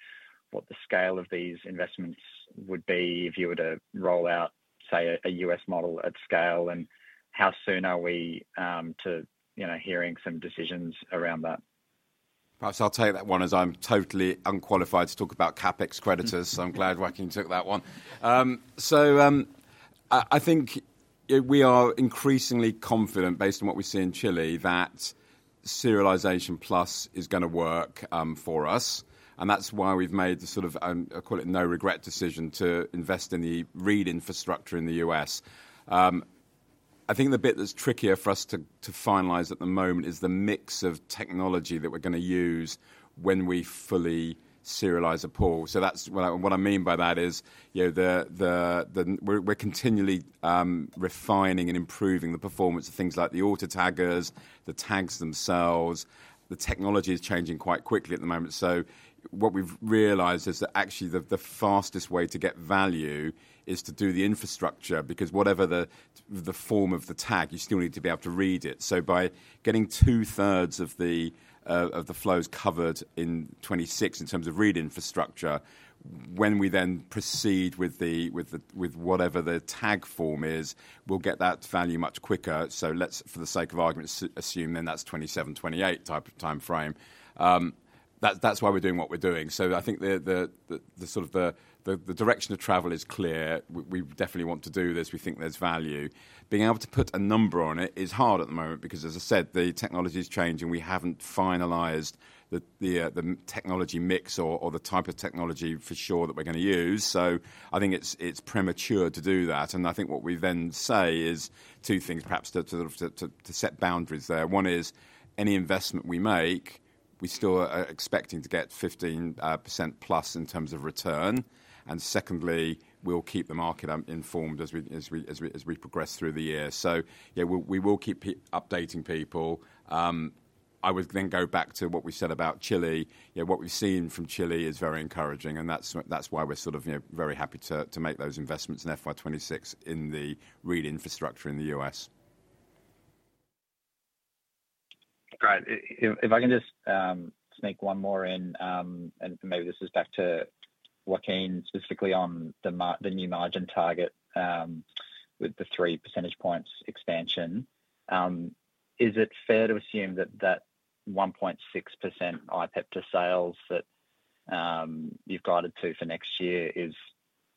what the scale of these investments would be if you were to roll out, say, a U.S. model at scale, and how soon are we to hearing some decisions around that? Perhaps I'll take that one as I'm totally unqualified to talk about CapEx creditors, so I'm glad Joaquin took that one. I think we are increasingly confident, based on what we see in Chile, that Serialization+ is going to work for us, and that's why we've made the sort of, I call it, no regret decision to invest in the read infrastructure in the U.S. I think the bit that's trickier for us to finalize at the moment is the mix of technology that we're going to use when we fully serialize a pool. What I mean by that is, you know, we're continually refining and improving the performance of things like the auto taggers, the tags themselves. The technology is changing quite quickly at the moment, so what we've realized is that actually the fastest way to get value is to do the infrastructure, because whatever the form of the tag, you still need to be able to read it. By getting two-thirds of the flows covered in 2026 in terms of read infrastructure, when we then proceed with whatever the tag form is, we'll get that value much quicker. Let's, for the sake of argument, assume then that's 2027-2028 type of timeframe. That's why we're doing what we're doing. I think the direction of travel is clear. We definitely want to do this. We think there's value. Being able to put a number on it is hard at the moment, because, as I said, the technology is changing. We haven't finalized the technology mix or the type of technology for sure that we're going to use, so I think it's premature to do that. I think what we then say is two things, perhaps to set boundaries there. One is any investment we make, we still are expecting to get 15%+ in terms of return. Secondly, we'll keep the market informed as we progress through the year. We will keep updating people. I would then go back to what we said about Chile. What we've seen from Chile is very encouraging, and that's why we're very happy to make those investments in FY 2026 in the read infrastructure in the U.S. If I can just sneak one more in, and maybe this is back to Joaquin, specifically on the new margin target with the three percentage points expansion, is it fair to assume that that 1.6% CapEx-to-sales that you've guided to for next year is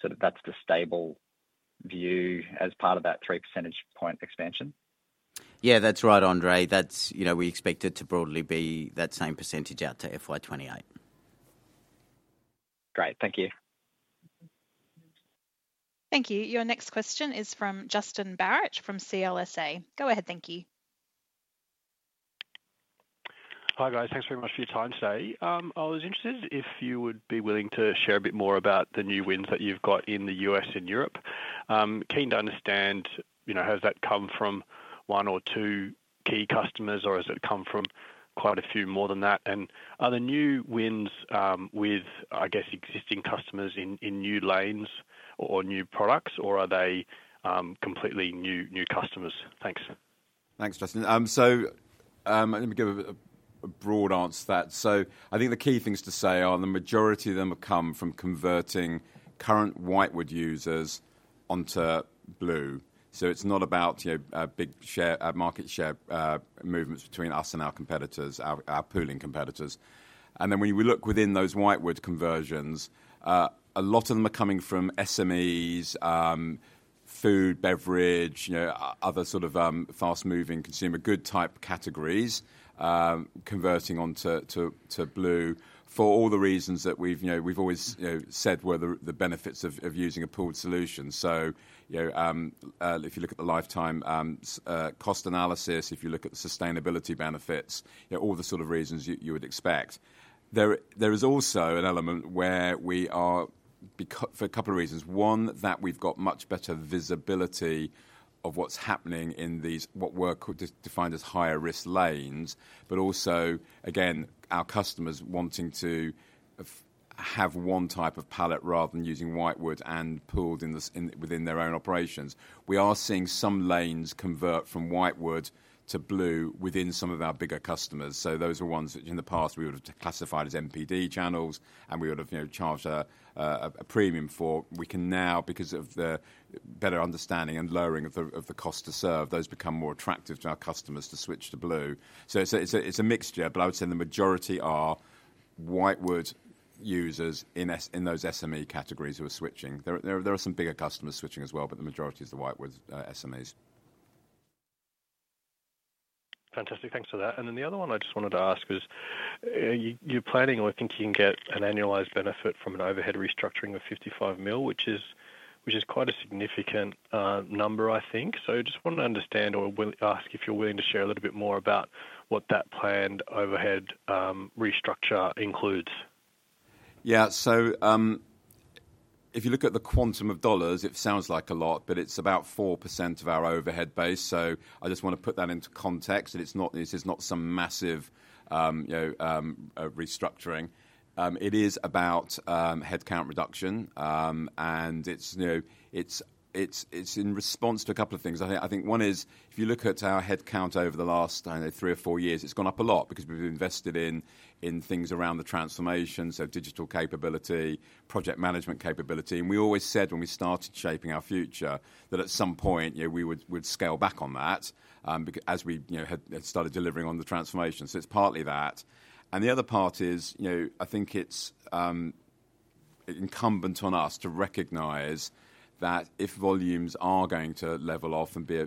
sort of that's the stable view as part of that 3 percentage point expansion? Yeah, that's right, Andre. That's, you know, we expect it to broadly be that same percentage out to FY 2028. Great, thank you. Thank you. Your next question is from Justin Barratt from CLSA. Go ahead, thank you. Hi, guys. Thanks for giving me a few times today. I was interested if you would be willing to share a bit more about the new wins that you've got in the U.S. and Europe. Keen to understand, you know, has that come from one or two key customers, or has it come from quite a few more than that? Are the new wins with, I guess, existing customers in new lanes or new products, or are they completely new customers? Thanks. Thanks, Justin. Let me give a broad answer to that. I think the key things to say are the majority of them have come from converting current whitewood pallet users onto blue. It's not about big market share movements between us and our pooling competitors. When we look within those whitewood conversions, a lot of them are coming from SMEs, food, beverage, and other sort of fast-moving consumer goods type categories, converting onto blue for all the reasons that we've always said were the benefits of using a pooled solution. If you look at the lifetime cost analysis, if you look at the sustainability benefits, all the sort of reasons you would expect. There is also an element where we are, for a couple of reasons, one, that we've got much better visibility of what's happening in these what were defined as higher risk lanes, but also, again, our customers wanting to have one type of pallet rather than using whitewood and pooled within their own operations. We are seeing some lanes convert from whitewood to blue within some of our bigger customers. Those are ones that in the past we would have classified as MPD channels and we would have charged a premium for. We can now, because of the better understanding and lowering of the cost to serve, those become more attractive to our customers to switch to blue. It's a mixture, but I would say the majority are whitewood pallet users in those SME categories who are switching. There are some bigger customers switching as well, but the majority is the whitewood SMEs. Fantastic, thanks for that. The other one I just wanted to ask was, you know, you're planning or think you can get an annualized benefit from an overhead restructuring of $55 million, which is quite a significant number, I think. I just wanted to understand or ask if you're willing to share a little bit more about what that planned overhead restructure includes. Yeah, if you look at the quantum of dollars, it sounds like a lot, but it's about 4% of our overhead base. I just want to put that into context that it's not some massive restructuring. It is about headcount reduction, and it's in response to a couple of things. I think one is, if you look at our headcount over the last three or four years, it's gone up a lot because we've invested in things around the transformation, so digital capability, project management capability. We always said when we started shaping our future that at some point we would scale back on that as we had started delivering on the transformation. It's partly that. The other part is, I think it's incumbent on us to recognize that if volumes are going to level off and be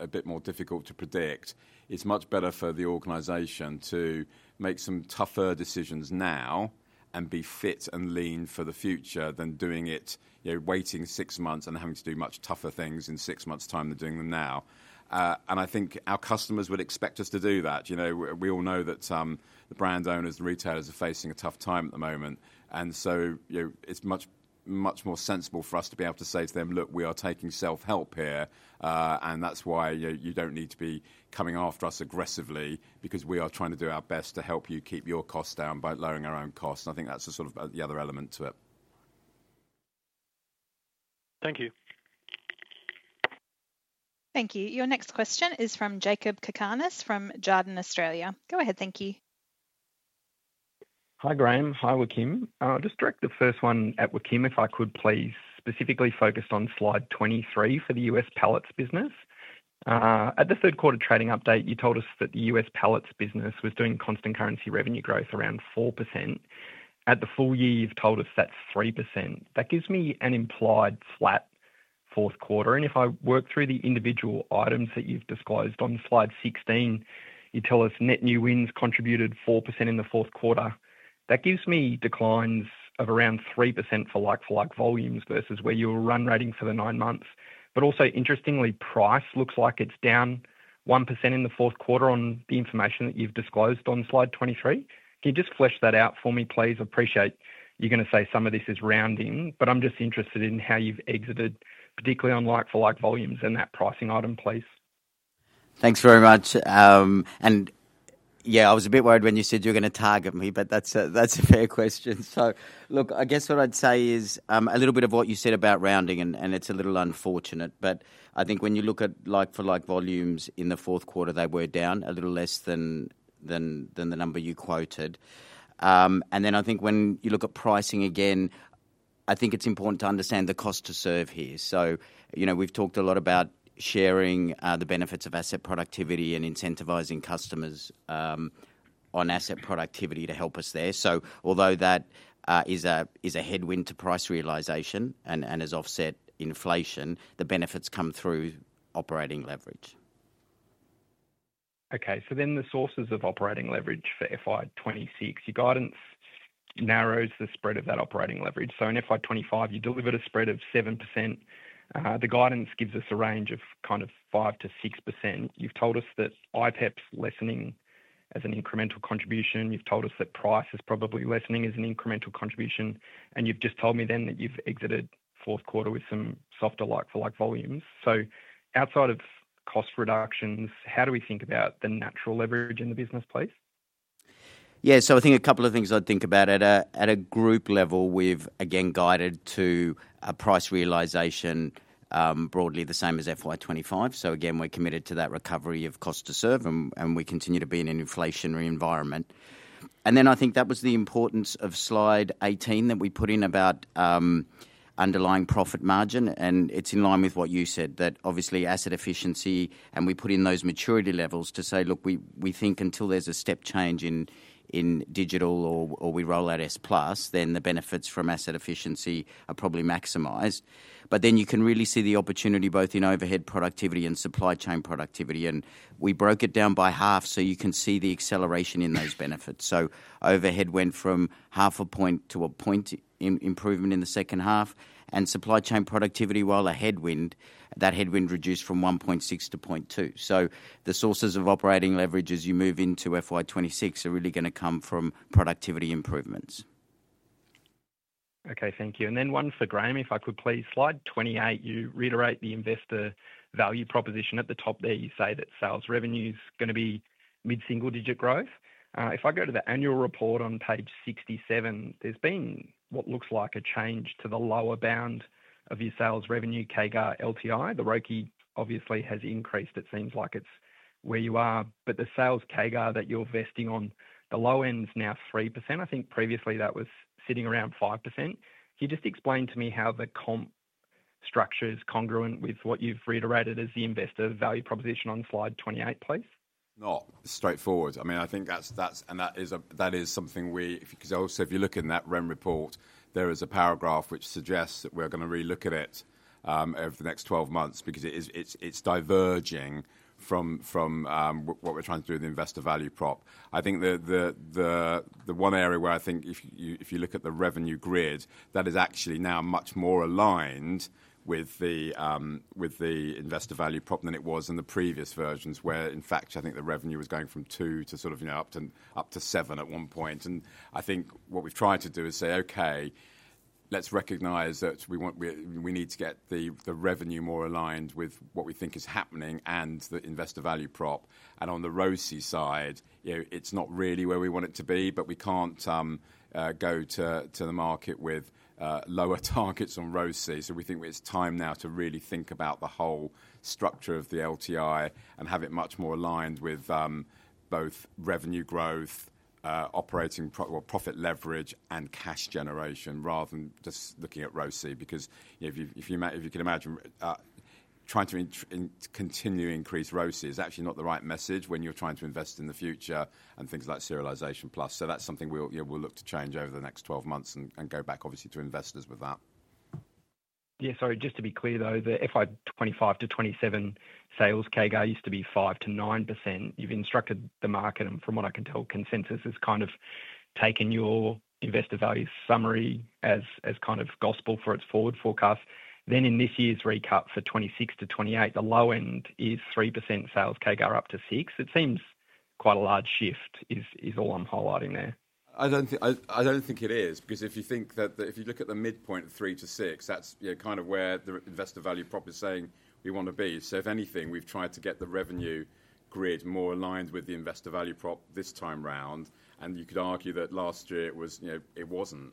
a bit more difficult to predict, it's much better for the organization to make some tougher decisions now and be fit and lean for the future than doing it, waiting six months and having to do much tougher things in six months' time than doing them now. I think our customers will expect us to do that. We all know that the brand owners, the retailers are facing a tough time at the moment, and it's much, much more sensible for us to be able to say to them, "Look, we are taking self-help here, and that's why you don't need to be coming after us aggressively, because we are trying to do our best to help you keep your costs down by lowering our own costs." I think that's the sort of the other element to it. Thank you. Thank you. Your next question is from Jakob Cakarnis from Jarden, Australia. Go ahead, thank you. Hi, Graham. Hi, Joaquin. I'll just direct the first one at Joaquin if I could, please, specifically focused on slide 23 for the U.S. pallets business. At the third quarter trading update, you told us that the U.S. pallets business was doing constant currency revenue growth around 4%. At the full year, you've told us that's 3%. That gives me an implied flat fourth quarter. If I work through the individual items that you've disclosed on slide 16, you tell us net new wins contributed 4% in the fourth quarter. That gives me declines of around 3% for like-for-like volumes versus where you were run rating for the nine months. Also, interestingly, price looks like it's down 1% in the fourth quarter on the information that you've disclosed on slide 23. Can you just flesh that out for me, please? I appreciate you're going to say some of this is rounding, but I'm just interested in how you've exited, particularly on like-for-like volumes and that pricing item, please. Thanks very much. Yeah, I was a bit worried when you said you were going to target me, but that's a fair question. I guess what I'd say is a little bit of what you said about rounding, and it's a little unfortunate, but I think when you look at like-for-like volumes in the fourth quarter, they were down a little less than the number you quoted. I think when you look at pricing again, I think it's important to understand the cost to serve here. We've talked a lot about sharing the benefits of asset productivity and incentivizing customers on asset productivity to help us there. Although that is a headwind to price realization and has offset inflation, the benefits come through operating leverage. Okay, so then the sources of operating leverage for FY 2026, your guidance narrows the spread of that operating leverage. In FY 2025, you delivered a spread of 7%. The guidance gives us a range of kind of 5%-6%. You've told us that IPEP's lessening as an incremental contribution. You've told us that price is probably lessening as an incremental contribution. You've just told me then that you've exited fourth quarter with some softer like-for-like volumes. Outside of cost reductions, how do we think about the natural leverage in the business, please? Yeah, so I think a couple of things I'd think about. At a group level, we've again guided to a price realization broadly the same as FY 2025. We're committed to that recovery of cost to serve, and we continue to be in an inflationary environment. I think that was the importance of slide 18 that we put in about underlying profit margin, and it's in line with what you said, that obviously asset efficiency, and we put in those maturity levels to say, look, we think until there's a step change in digital or we roll out Serialization+, then the benefits from asset efficiency are probably maximized. You can really see the opportunity both in overhead productivity and supply chain productivity, and we broke it down by half so you can see the acceleration in those benefits. Overhead went from half a point to a point improvement in the second half, and supply chain productivity, while a headwind, that headwind reduced from 1.6% to 0.2%. The sources of operating leverage as you move into FY 2026 are really going to come from productivity improvements. Okay, thank you. One for Graham, if I could please. Slide 28, you reiterate the investor value proposition at the top there. You say that sales revenue is going to be mid-single-digit growth. If I go to the Annual Report on page 67, there's been what looks like a change to the lower bound of your sales revenue CAGR LTI. The ROCI obviously has increased. It seems like it's where you are, but the sales CAGR that you're vesting on the low end is now 3%. I think previously that was sitting around 5%. Can you just explain to me how the comp structure is congruent with what you've reiterated as the investor value proposition on slide 28, please? Not straightforward. I mean, I think that's, and that is something we, because also, if you look in that [REM] report, there is a paragraph which suggests that we're going to relook at it over the next 12 months because it's diverging from what we're trying to do with the investor value prop. I think the one area where I think if you look at the revenue grid, that is actually now much more aligned with the investor value prop than it was in the previous versions where, in fact, I think the revenue was going from two to sort of up to seven at one point. I think what we've tried to do is say, okay, let's recognize that we need to get the revenue more aligned with what we think is happening and the investor value prop. On the ROCI side, it's not really where we want it to be, but we can't go to the market with lower targets on ROCI. We think it's time now to really think about the whole structure of the LTI and have it much more aligned with both revenue growth, operating profit leverage, and cash generation rather than just looking at ROCI because if you can imagine trying to continue to increase ROCI, it's actually not the right message when you're trying to invest in the future and things like Serialization+. That's something we'll look to change over the next 12 months and go back obviously to investors with that. Yeah, sorry, just to be clear though, the FY 2025 to 2027 sales CAGR used to be 5%-9%. You've instructed the market, and from what I can tell, consensus has kind of taken your investor value summary as kind of gospel for its forward forecast. In this year's recap for 2026 to 2028, the low end is 3% sales CAGR up to 6%. It seems quite a large shift is all I'm highlighting there. I don't think it is because if you think that if you look at the midpoint of 3%-6%, that's kind of where the investor value prop is saying we want to be. If anything, we've tried to get the revenue grid more aligned with the investor value prop this time round, and you could argue that last year it wasn't.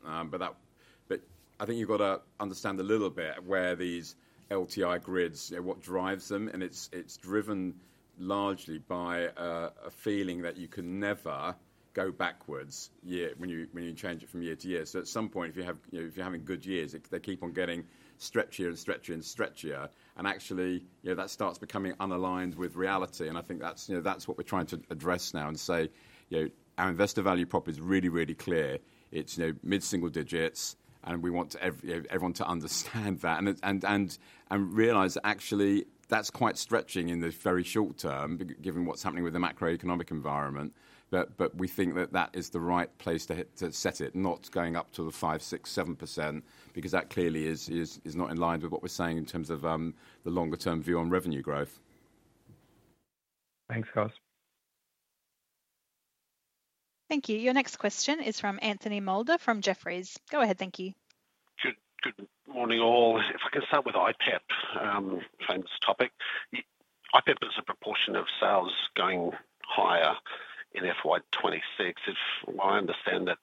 I think you've got to understand a little bit where these LTI grids, what drives them, and it's driven largely by a feeling that you can never go backwards when you change it from year to year. At some point, if you're having good years, they keep on getting stretchier and stretchier and stretchier, and actually that starts becoming unaligned with reality. I think that's what we're trying to address now and say our investor value prop is really, really clear. It's mid-single digits, and we want everyone to understand that and realize that actually that's quite stretching in the very short term given what's happening with the macro-economic environment. We think that that is the right place to set it, not going up to the 5%, 6%, 7% because that clearly is not in line with what we're saying in terms of the longer-term view on revenue growth. Thanks, guys. Thank you. Your next question is from Anthony Moulder from Jefferies. Go ahead, thank you. Morning all. If I can start with IPEP, thanks, topic. IPEP is a proportion of sales going higher in FY 2026. If I understand that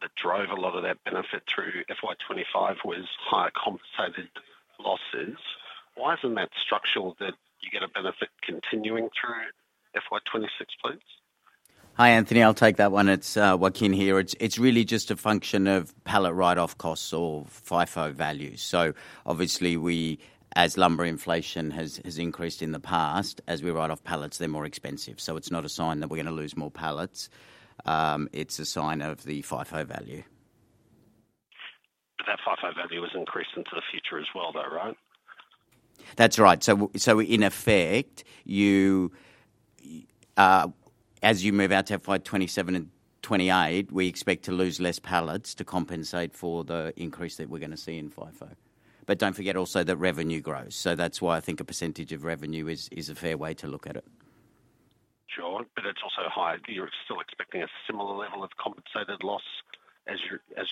the drive a lot of that benefit through FY 2025 was higher compensated losses, why isn't that structural that you get a benefit continuing through FY 2026, please? Hi Anthony, I'll take that one. It's Joaquin here. It's really just a function of pallet write-off costs or FIFO value. Obviously, as lumber inflation has increased in the past, as we write off pallets, they're more expensive. It's not a sign that we're going to lose more pallets. It's a sign of the FIFO value. That FIFO value has increased into the future as well though, right? That's right. In effect, as you move out to FY 2027 and FY 2028, we expect to lose fewer pallets to compensate for the increase that we're going to see in FIFO. Don't forget also that revenue grows. That's why I think a percentage of revenue is a fair way to look at it. Sure, it's also high. You're still expecting a similar level of compensated loss as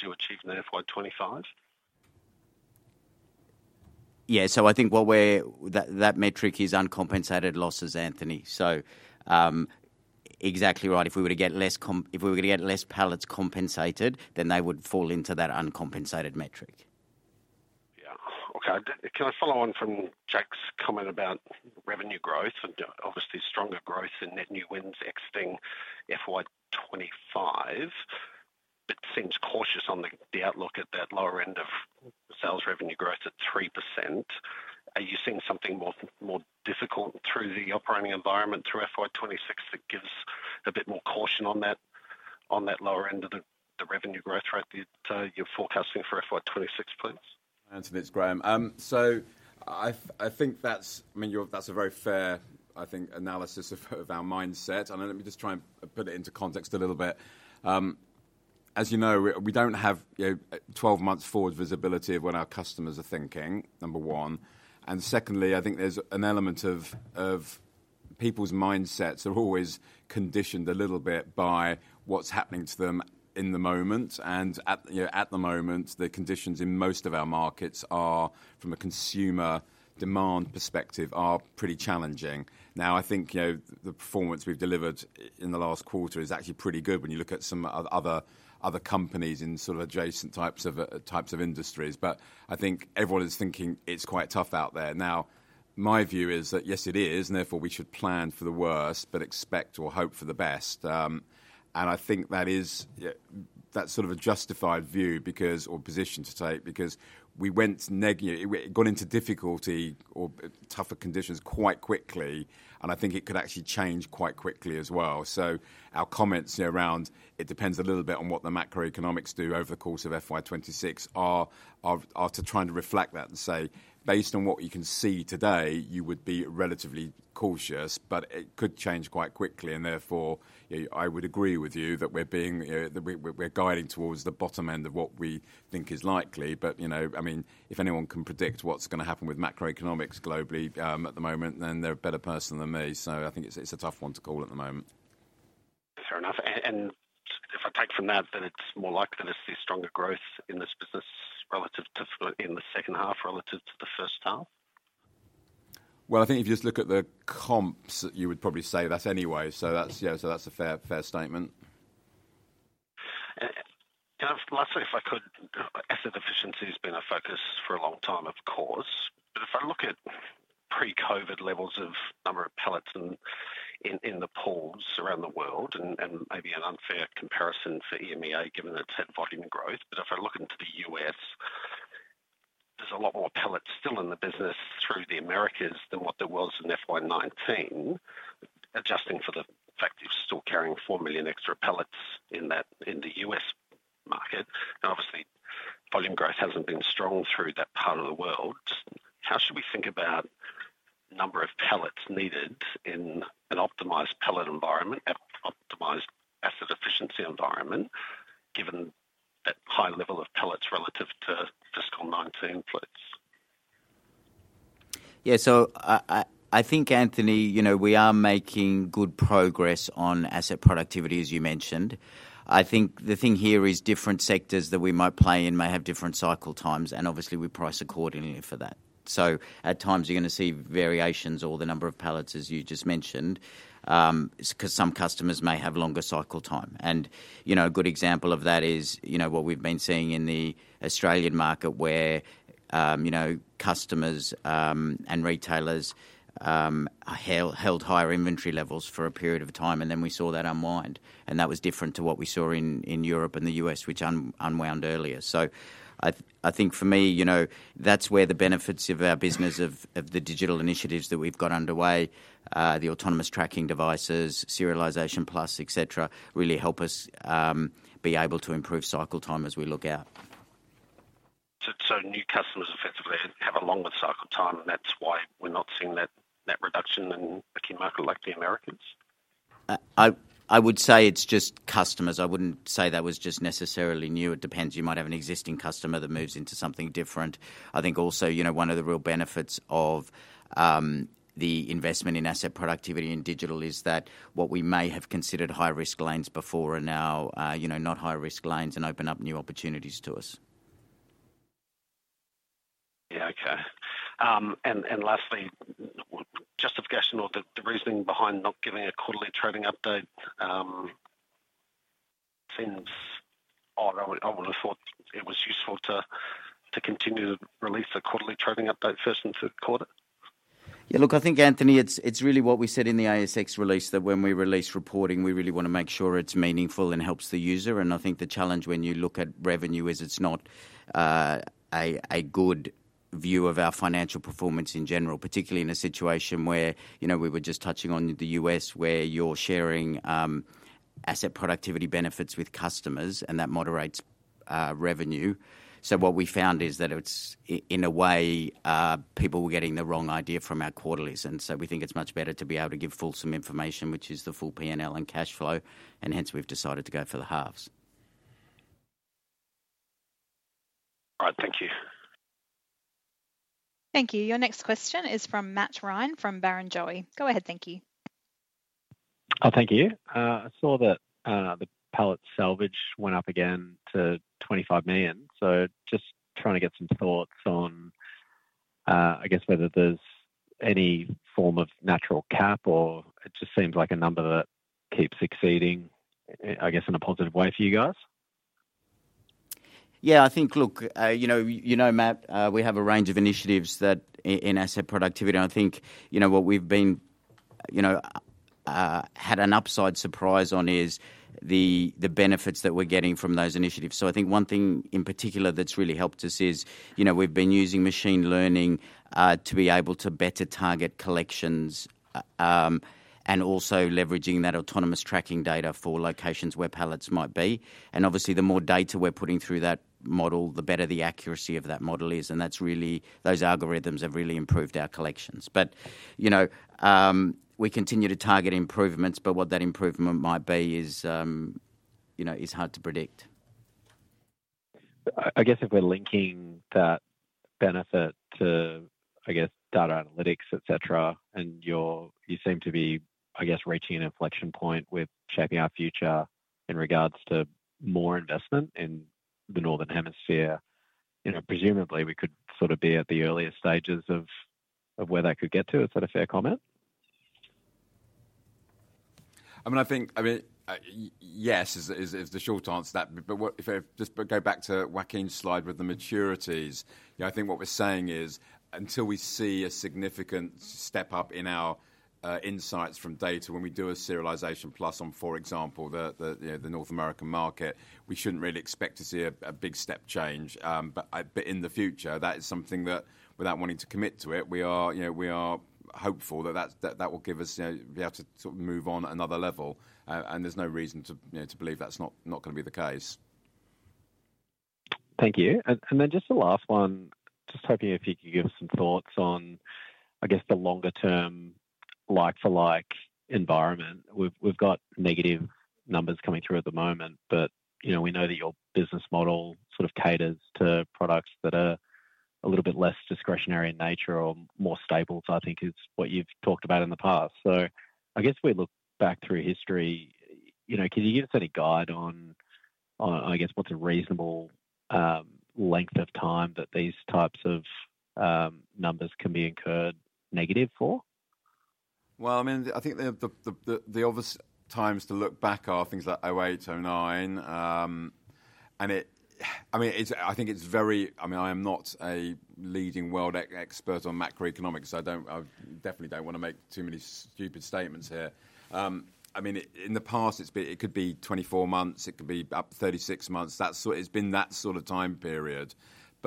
you're achieving in FY 2025? Yeah, I think what we're, that metric is uncompensated losses, Anthony. Exactly right. If we were to get less pallets compensated, then they would fall into that uncompensated metric. Yeah, okay. Can I follow on from Jack's comment about revenue growth? Obviously, stronger growth in net new wins exiting FY 2025, but seems cautious on the outlook at that lower end of sales revenue growth at 3%. Are you seeing something more difficult through the operating environment through FY 2026 that gives a bit more caution on that lower end of the revenue growth rate that you're forecasting for FY 2026, please? I'll answer to this, it's Graham. I think that's a very fair, I think, analysis of our mindset. Let me just try and put it into context a little bit. As you know, we don't have 12 months forward visibility of what our customers are thinking, number one. Secondly, I think there's an element of people's mindsets are always conditioned a little bit by what's happening to them in the moment. At the moment, the conditions in most of our markets are, from a consumer demand perspective, pretty challenging. I think the performance we've delivered in the last quarter is actually pretty good when you look at some other companies in sort of adjacent types of industries. I think everyone is thinking it's quite tough out there. My view is that yes, it is, and therefore we should plan for the worst but expect or hope for the best. I think that is sort of a justified view or position to take because we went negative, it got into difficulty or tougher conditions quite quickly. I think it got. Changed quite quickly as well. Our comments around it depend a little bit on what the macroeconomics do over the course of FY 2026 to try to reflect that and say, based on what you can see today, you would be relatively cautious, but it could change quite quickly. Therefore, I would agree with you that we're guiding towards the bottom end of what we think is likely. If anyone can predict what's going to happen with macroeconomics globally at the moment, then they're a better person than me. I think it's a tough one to call at the moment. Fair enough. If I take from that, then it's more likely to see stronger growth in this business relative to in the second half relative to the first half? I think if you just look at the comps, you would probably say that anyway. That's a fair statement. Lastly, if I could, asset efficiency has been a focus for a long time, of course. If I look at pre-COVID levels of number of pallets in the pools around the world, and maybe an unfair comparison for EMEA given its volume growth, if I look into the U.S., there's a lot more pallets still in the business through the Americas than what there was in FY 2019, adjusting for the fact that you're still carrying 4 million extra pallets in the U.S. market. Obviously, volume growth hasn't been strong through that part of the world. How should we think about the number of pallets needed in an optimized pallet environment, optimized asset efficiency environment, given that high level of pallets relative to fiscal 2019 please? Yeah, so I think, Anthony, you know, we are making good progress on asset productivity, as you mentioned. I think the thing here is different sectors that we might play in may have different cycle times, and obviously we price accordingly for that. At times you're going to see variations or the number of pallets, as you just mentioned, because some customers may have longer cycle time. A good example of that is what we've been seeing in the Australian market where customers and retailers held higher inventory levels for a period of time, and then we saw that unwind. That was different to what we saw in Europe and the U.S., which unwound earlier. I think for me, that's where the benefits of our business, of the digital initiatives that we've got underway, the autonomous tracking devices, Serialization+, etc., really help us be able to improve cycle time as we look out. New customers effectively have a longer cycle time, and that's why we're not seeing that reduction in a key market like the Americas? I would say it's just customers. I wouldn't say that was just necessarily new. It depends. You might have an existing customer that moves into something different. I think also, one of the real benefits of the investment in asset productivity and digital is that what we may have considered high-risk lanes before are now not high-risk lanes and open up new opportunities to us. Okay. Lastly, just a question on the reasoning behind not giving a quarterly trading update. I would have thought it was useful to continue to release the quarterly trading update for first and third quarter. Yeah, look, I think, Anthony, it's really what we said in the ASX release that when we release reporting, we really want to make sure it's meaningful and helps the user. I think the challenge when you look at revenue is it's not a good view of our financial performance in general, particularly in a situation where, you know, we were just touching on the U.S. where you're sharing asset productivity benefits with customers and that moderates revenue. What we found is that it's, in a way, people were getting the wrong idea from our quarterlies. We think it's much better to be able to give full some information, which is the full P&L and cash flow. Hence, we've decided to go for the halves. All right, thank you. Thank you. Your next question is from Matt Ryan from Barrenjoey. Go ahead, thank you. Thank you. I saw that the pallet salvage went up again to $25 million. Just trying to get some thoughts on whether there's any form of natural cap or it just seems like a number that keeps exceeding, I guess, in a positive way for you guys. Yeah, I think, look, you know, Matt, we have a range of initiatives in asset productivity. I think what we've been had an upside surprise on is the benefits that we're getting from those initiatives. I think one thing in particular that's really helped us is we've been using machine learning to be able to better target collections and also leveraging that autonomous tracking data for locations where pallets might be. Obviously, the more data we're putting through that model, the better the accuracy of that model is. That's really, those algorithms have really improved our collections. We continue to target improvements, but what that improvement might be is hard to predict. If we're linking that benefit to data analytics, etc., and you seem to be reaching an inflection point with shaping our future in regards to more investment in the northern hemisphere, presumably, we could sort of be at the earliest stages of where that could get to. Is that a fair comment? I think yes is the short answer to that. If I just go back to Joaquin's slide with the maturities, I think what we're saying is until we see a significant step up in our insights from data when we do a Serialization+ on, for example, the North American market, we shouldn't really expect to see a big step change. In the future, that is something that, without wanting to commit to it, we are hopeful that that will give us, you know, be able to sort of move on another level. There's no reason to believe that's not going to be the case. Thank you. Just the last one, hoping if you could give us some thoughts on, I guess, the longer-term like-for-like environment. We've got negative numbers coming through at the moment, but you know, we know that your business model sort of caters to products that are a little bit less discretionary in nature or more stable, I think, is what you've talked about in the past. I guess we look back through history, you know, can you give us any guide on, I guess, what's a reasonable length of time that these types of numbers can be incurred negative for? I think the obvious times to look back are things like 2008, 2009. I think it's very, I am not a leading world expert on macroeconomics. I definitely don't want to make too many stupid statements here. In the past, it could be 24 months, it could be up to 36 months. That's sort of, it's been that sort of time period.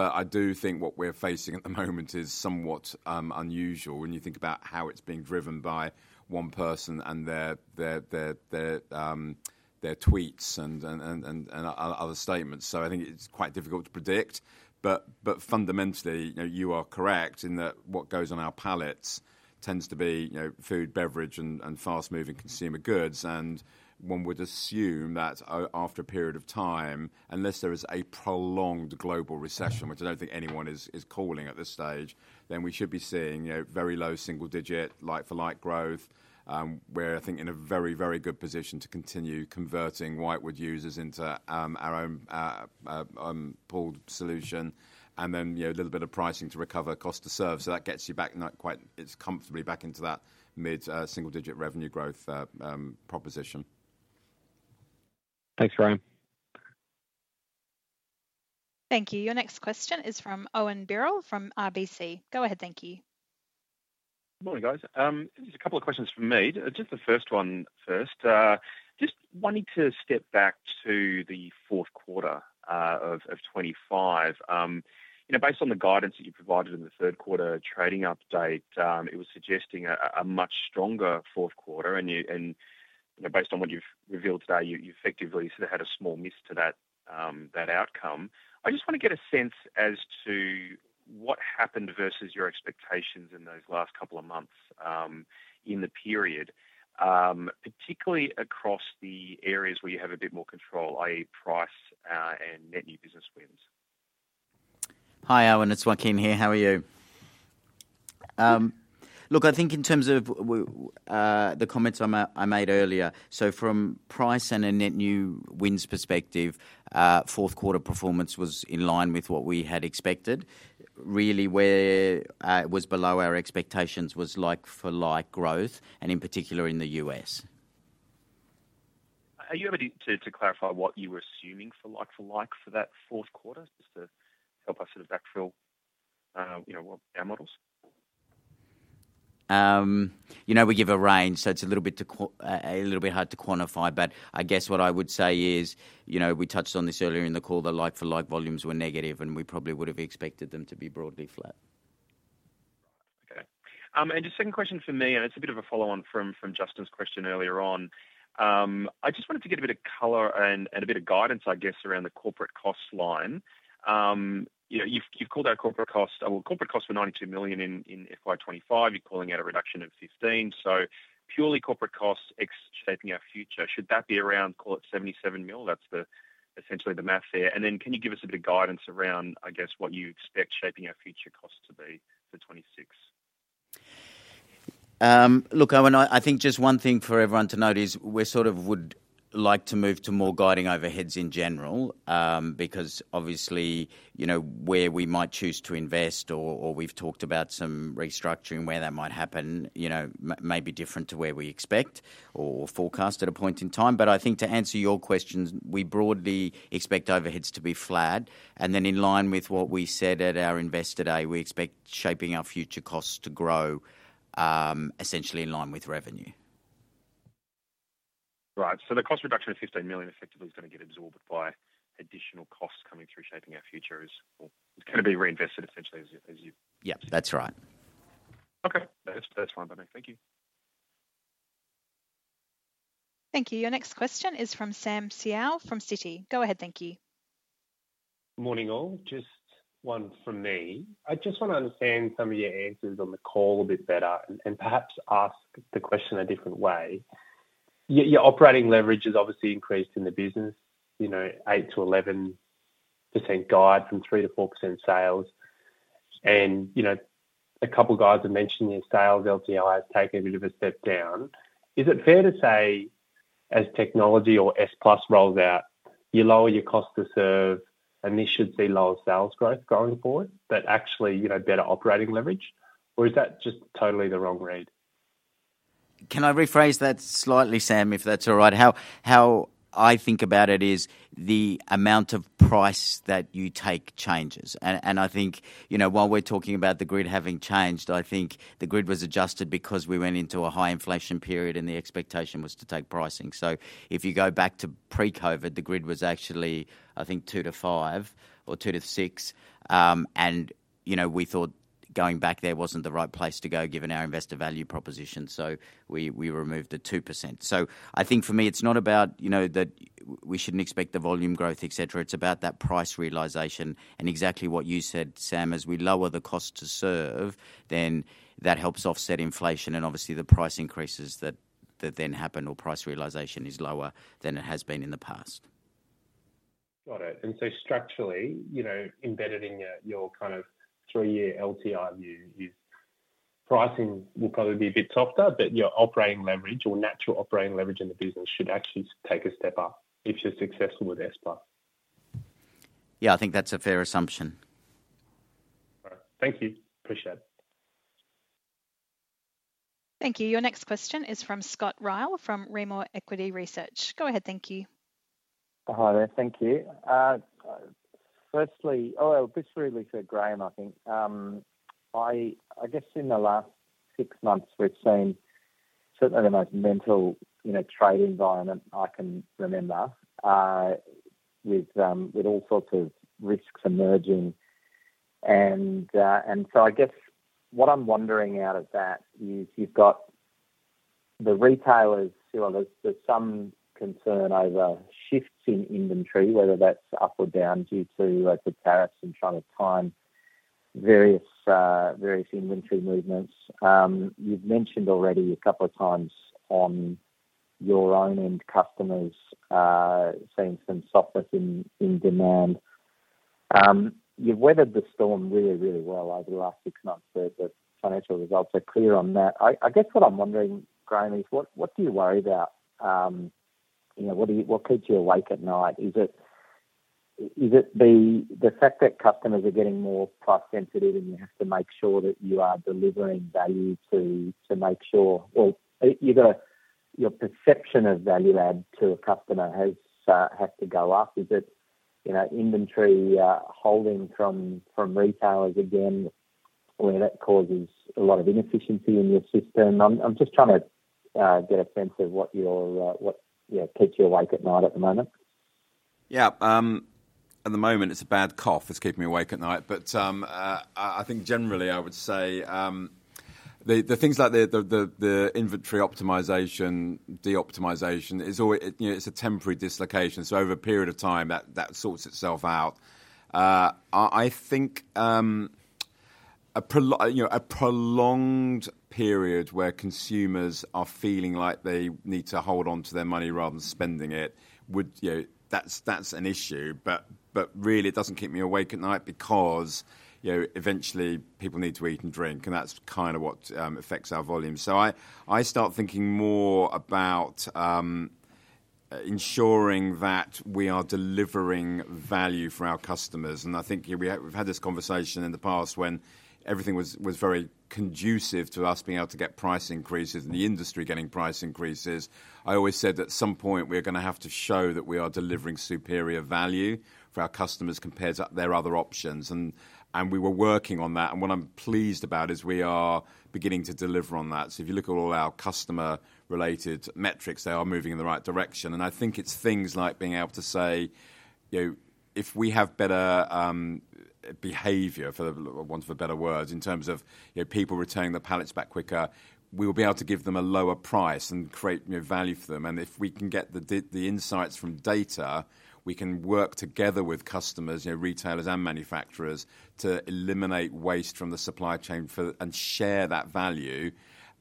I do think what we're facing at the moment is somewhat unusual when you think about how it's being driven by one person and their tweets and other statements. I think it's quite difficult to predict. Fundamentally, you are correct in that what goes on our pallets tends to be food, beverage, and fast-moving consumer goods. One would assume that after a period of time, unless there is a prolonged global recession, which I don't think anyone is calling at this stage, we should be seeing very low single-digit like-for-like growth. We're, I think, in a very, very good position to continue converting whitewood users into our own pooled solution, and a little bit of pricing to recover cost to serve. That gets you back in that, it's comfortably back into that mid-single-digit revenue growth proposition. Thanks, Ryan. Thank you. Your next question is from Owen Birrell from RBC. Go ahead, thank you. Morning, guys. Just a couple of questions from me. The first one, just wanting to step back to the fourth quarter of 2025. Based on the guidance that you provided in the third quarter trading update, it was suggesting a much stronger fourth quarter. Based on what you've revealed today, you effectively sort of had a small miss to that outcome. I just want to get a sense as to what happened versus your expectations in those last couple of months in the period, particularly across the areas where you have a bit more control, i.e., price and net new business wins. Hi, Owen. It's Joaquin here. How are you? I think in terms of the comments I made earlier, from price and a net new wins perspective, fourth quarter performance was in line with what we had expected. Really, where it was below our expectations was like-for-like growth, and in particular in the U.S. Are you able to clarify what you were assuming for like-for-like for that fourth quarter, just to help us sort of backfill our models? You know, we give a range, so it's a little bit hard to quantify, but I guess what I would say is, you know, we touched on this earlier in the call, the like-for-like volumes were negative, and we probably would have expected them to be broadly flat. Okay. Just a second question for me, and it's a bit of a follow-on from Justin's question earlier on. I just wanted to get a bit of color and a bit of guidance, I guess, around the corporate cost line. You've called out corporate costs. Corporate costs were $92 million in FY 2025. You're calling out a reduction of $15 million. Purely corporate costs shaping our future, should that be around, call it $77 million? That's essentially the math there. Can you give us a bit of guidance around, I guess, what you expect shaping our future costs to be for 2026? Look, Owen, I think just one thing for everyone to note is we sort of would like to move to more guiding overheads in general because obviously, you know, where we might choose to invest or we've talked about some restructuring where that might happen, you know, may be different to where we expect or forecast at a point in time. I think to answer your questions, we broadly expect overheads to be flat. In line with what we said at our investor day, we expect shaping our future costs to grow essentially in line with revenue. Right. The cost reduction of $15 million effectively is going to get absorbed by additional costs coming through shaping our future. It's going to be reinvested essentially as you. Yeah, that's right. Okay, that's fine by me. Thank you. Thank you. Your next question is from Sam Seow from Citi. Go ahead, thank you. Morning all. Just one from me. I just want to understand some of your answers on the call a bit better and perhaps ask the question in a different way. Your operating leverage has obviously increased in the business, you know, 8%-11% guide from 3%-4% sales. A couple of guys have mentioned your sales LTI have taken a bit of a step down. Is it fair to say as technology or Serialization+ rolls out, you lower your cost to serve and this should see lower sales growth going forward, but actually, you know, better operating leverage? Or is that just totally the wrong read? Can I rephrase that slightly, Sam, if that's all right? How I think about it is the amount of price that you take changes. I think, you know, while we're talking about the grid having changed, the grid was adjusted because we went into a high inflation period and the expectation was to take pricing. If you go back to pre-COVID, the grid was actually, I think, 2%-5% or 2%-6%. You know, we thought going back there wasn't the right place to go given our investor value proposition. We removed the 2%. For me, it's not about, you know, that we shouldn't expect the volume growth, etc. It's about that price realization and exactly what you said, Sam, as we lower the cost to serve, that helps offset inflation and obviously the price increases that then happen or price realization is lower than it has been in the past. Got it. Structurally, you know, embedded in your kind of three-year LTI view, pricing will probably be a bit softer, but your operating leverage or natural operating leverage in the business should actually take a step up if you're successful with Serialization+. Yeah, I think that's a fair assumption. Thank you. Appreciate it. Thank you. Your next question is from Scott Ryall from Rimor Equity Research. Go ahead, thank you. Hi there. Thank you. Firstly, it was really to Graham, I think. I guess in the last six months, we've seen certainly the most mental, you know, trade environment I can remember with all sorts of risks emerging. I guess what I'm wondering out of that, you've got the retailers, you know, there's some concern over shifts in inventory, whether that's up or down due to the Paris and trying to time various inventory movements. You've mentioned already a couple of times on your own end customers seeing some softness in demand. You've weathered the storm really, really well over the last six months, and the financial results are clear on that. I guess what I'm wondering, Graham, is what do you worry about? What keeps you awake at night? Is it the fact that customers are getting more price sensitive and you have to make sure that you are delivering value to make sure, well, either your perception of value add to a customer has had to go up? Is it, you know, inventory holding from retailers again? I mean, that causes a lot of inefficiency in your system. I'm just trying to get a sense of what you're, what keeps you awake at night at the moment. Yeah. At the moment, it's a bad cough that's keeping me awake at night. I think generally, I would say the things like the inventory optimization, de-optimization, it's a temporary dislocation. Over a period of time, that sorts itself out. I think a prolonged period where consumers are feeling like they need to hold on to their money rather than spending it, that's an issue. It doesn't keep me awake at night because eventually, people need to eat and drink. That's kind of what affects our volume. I start thinking more about ensuring that we are delivering value for our customers. I think we've had this conversation in the past when everything was very conducive to us being able to get price increases and the industry getting price increases. I always said that at some point, we're going to have to show that we are delivering superior value for our customers compared to their other options. We were working on that. What I'm pleased about is we are beginning to deliver on that. If you look at all our customer-related metrics, they are moving in the right direction. I think it's things like being able to say, you know, if we have better behavior, for want of a better word, in terms of people returning the pallets back quicker, we will be able to give them a lower price and create value for them. If we can get the insights from data, we can work together with customers, retailers, and manufacturers to eliminate waste from the supply chain and share that value.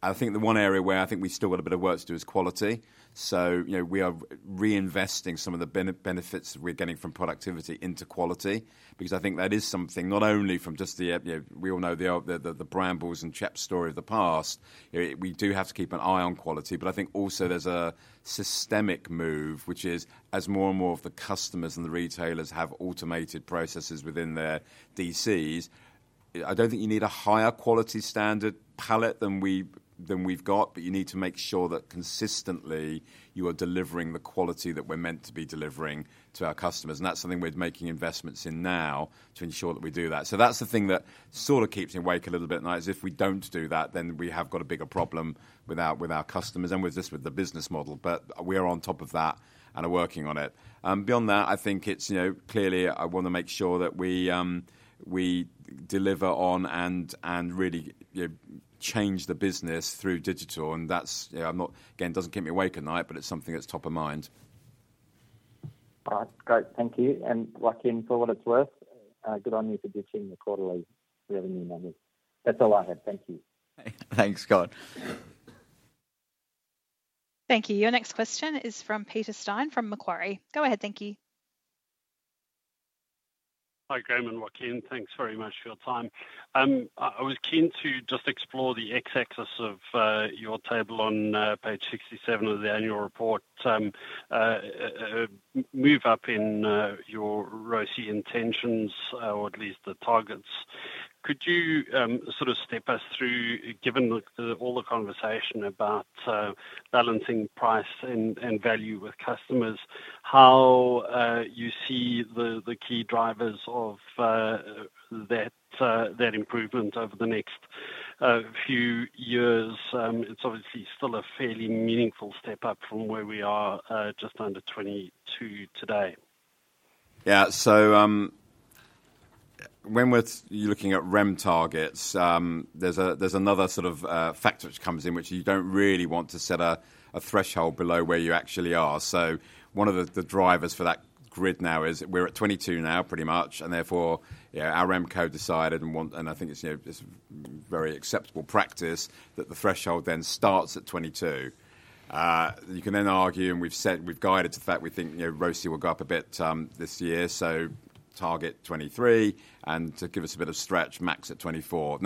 I think the one area where I think we still got a bit of work to do is quality. We are reinvesting some of the benefits that we're getting from productivity into quality because I think that is something not only from just the, you know, we all know the Brambles and CHEP story of the past. We do have to keep an eye on quality, but I think also there's a systemic move, which is as more and more of the customers and the retailers have automated processes within their DCs, I don't think you need a higher quality standard pallet than we've got, but you need to make sure that consistently you are delivering the quality that we're meant to be delivering to our customers. That's something we're making investments in now to ensure that we do that. That's the thing that sort of keeps me awake a little bit at night is if we don't do that, then we have got a bigger problem with our customers and with just the business model. We are on top of that and are working on it. Beyond that, I think it's, you know, clearly I want to make sure that we deliver on and really, you know, change the business through digital. That's, you know, again, doesn't keep me awake at night, but it's something that's top of mind. All right, great. Thank you. And Joaquin, for what it's worth, good on you for ditching the quarterly revenue model. That's all I had. Thank you. Thanks, Scott. Thank you. Your next question is from Peter Steyn from Macquarie. Go ahead, thank you. Hi Graham and Joaquin, thanks very much for your time. I was keen to just explore the x-axis of your table on page 67 of the Annual Report. Move up in your ROCI intentions, or at least the targets. Could you sort of step us through, given all the conversation about balancing price and value with customers, how you see the key drivers of that improvement over the next few years? It's obviously still a fairly meaningful step up from where we are just under 22% today. Yeah, so when you're looking at [REM] targets, there's another sort of factor which comes in, which is you don't really want to set a threshold below where you actually are. One of the drivers for that grid now is we're at 22 now, pretty much. Therefore, our REM code decided, and I think it's very acceptable practice, that the threshold then starts at 22. You can then argue, and we've guided to the fact we think ROCI will go up a bit this year. Target 23 and to give us a bit of stretch, max at 24.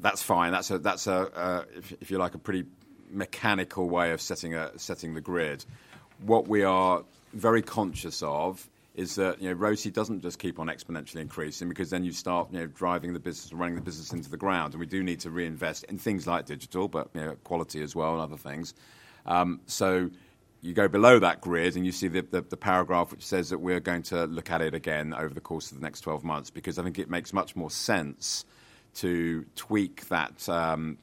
That's fine. That's a, if you like, a pretty mechanical way of setting the grid. What we are very conscious of is that ROCI doesn't just keep on exponentially increasing because you start driving the business and running the business into the ground. We do need to reinvest in things like digital, but quality as well and other things. You go below that grid and you see the paragraph which says that we're going to look at it again over the course of the next 12 months because I think it makes much more sense to tweak that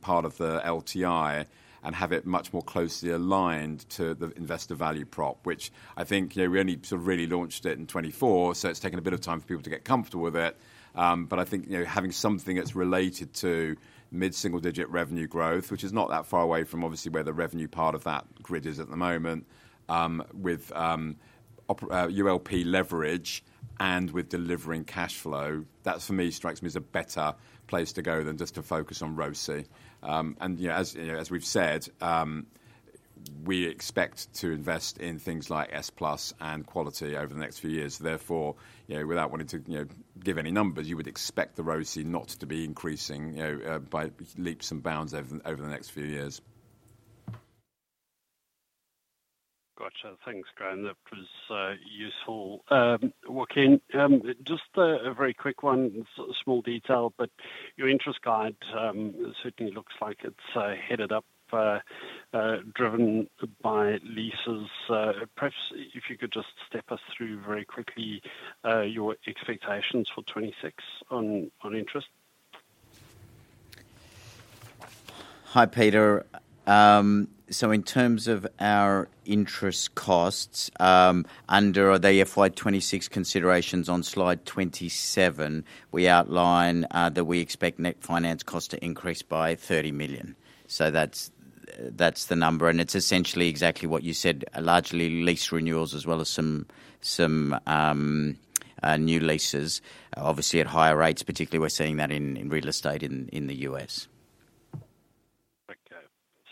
part of the LTI and have it much more closely aligned to the investor value prop, which I think we only sort of really launched it in 2024. It's taken a bit of time for people to get comfortable with it. I think having something that's related to mid-single-digit revenue growth, which is not that far away from obviously where the revenue part of that grid is at the moment, with ULP leverage and with delivering cash flow, that for me strikes me as a better place to go than just to focus on ROCI. As we've said, we expect to invest in things like Serialization+ and quality over the next few years. Therefore, without wanting to give any numbers, you would expect the ROCI not to be increasing by leaps and bounds over the next few years. Gotcha. Thanks, Graham. That was useful. Joaquin, just a very quick one, small detail, but your interest guide certainly looks like it's headed up, driven by leases. Perhaps if you could just step us through very quickly your expectations for 2026 on interest. Hi, Peter. In terms of our interest costs, under the FY 2026 considerations on slide 27, we outline that we expect net finance costs to increase by $30 million. That's the number. It's essentially exactly what you said, largely lease renewals as well as some new leases, obviously at higher rates, particularly we're seeing that in real estate in the U.S. Okay,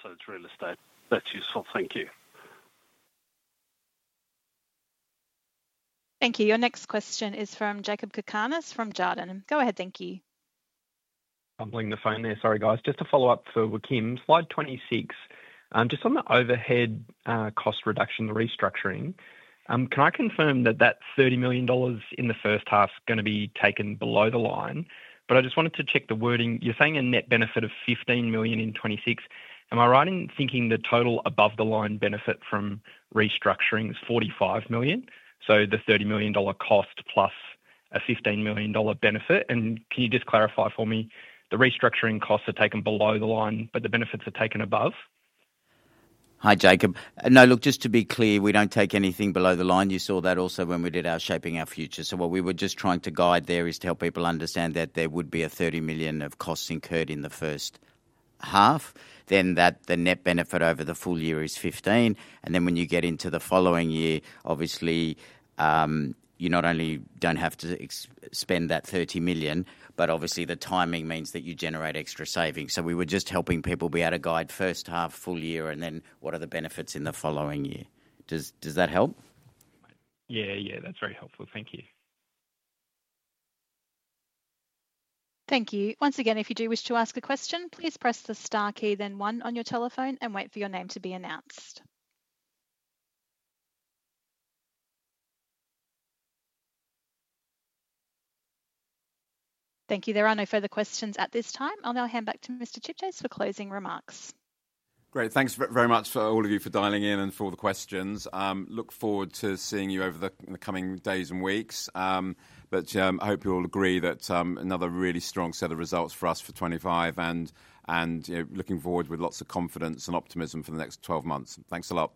so it's real estate. That's useful. Thank you. Thank you. Your next question is from Jakob Cakarnis from Jarden. Go ahead, thank you. Sorry, guys. Just to follow up for Joaquin, slide 26, just on the overhead cost reduction, the restructuring, can I confirm that that's $30 million in the first half going to be taken below the line? I just wanted to check the wording. You're saying a net benefit of $15 million in 2026. Am I right in thinking the total above-the-line benefit from restructuring is $45 million? The $30 million cost plus a $15 million benefit. Can you just clarify for me the restructuring costs are taken below the line, but the benefits are taken above? Hi, Jakob. No, just to be clear, we don't take anything below the line. You saw that also when we did our Shaping Our Future. What we were just trying to guide there is to help people understand that there would be $30 million of costs incurred in the first half, then that the net benefit over the full year is $15 million. When you get into the following year, you not only don't have to spend that $30 million, but the timing means that you generate extra savings. We were just helping people be able to guide first half, full year, and then what are the benefits in the following year. Does that help? Yeah, that's very helpful. Thank you. Thank you. Once again, if you do wish to ask a question, please press the star key, then one on your telephone and wait for your name to be announced. Thank you. There are no further questions at this time. I'll now hand back to Mr. Chipchase for closing remarks. Great. Thanks very much for all of you for dialing in and for all the questions. I look forward to seeing you over the coming days and weeks. I hope you'll agree that another really strong set of results for us for 2025. Looking forward with lots of confidence and optimism for the next 12 months. Thanks a lot.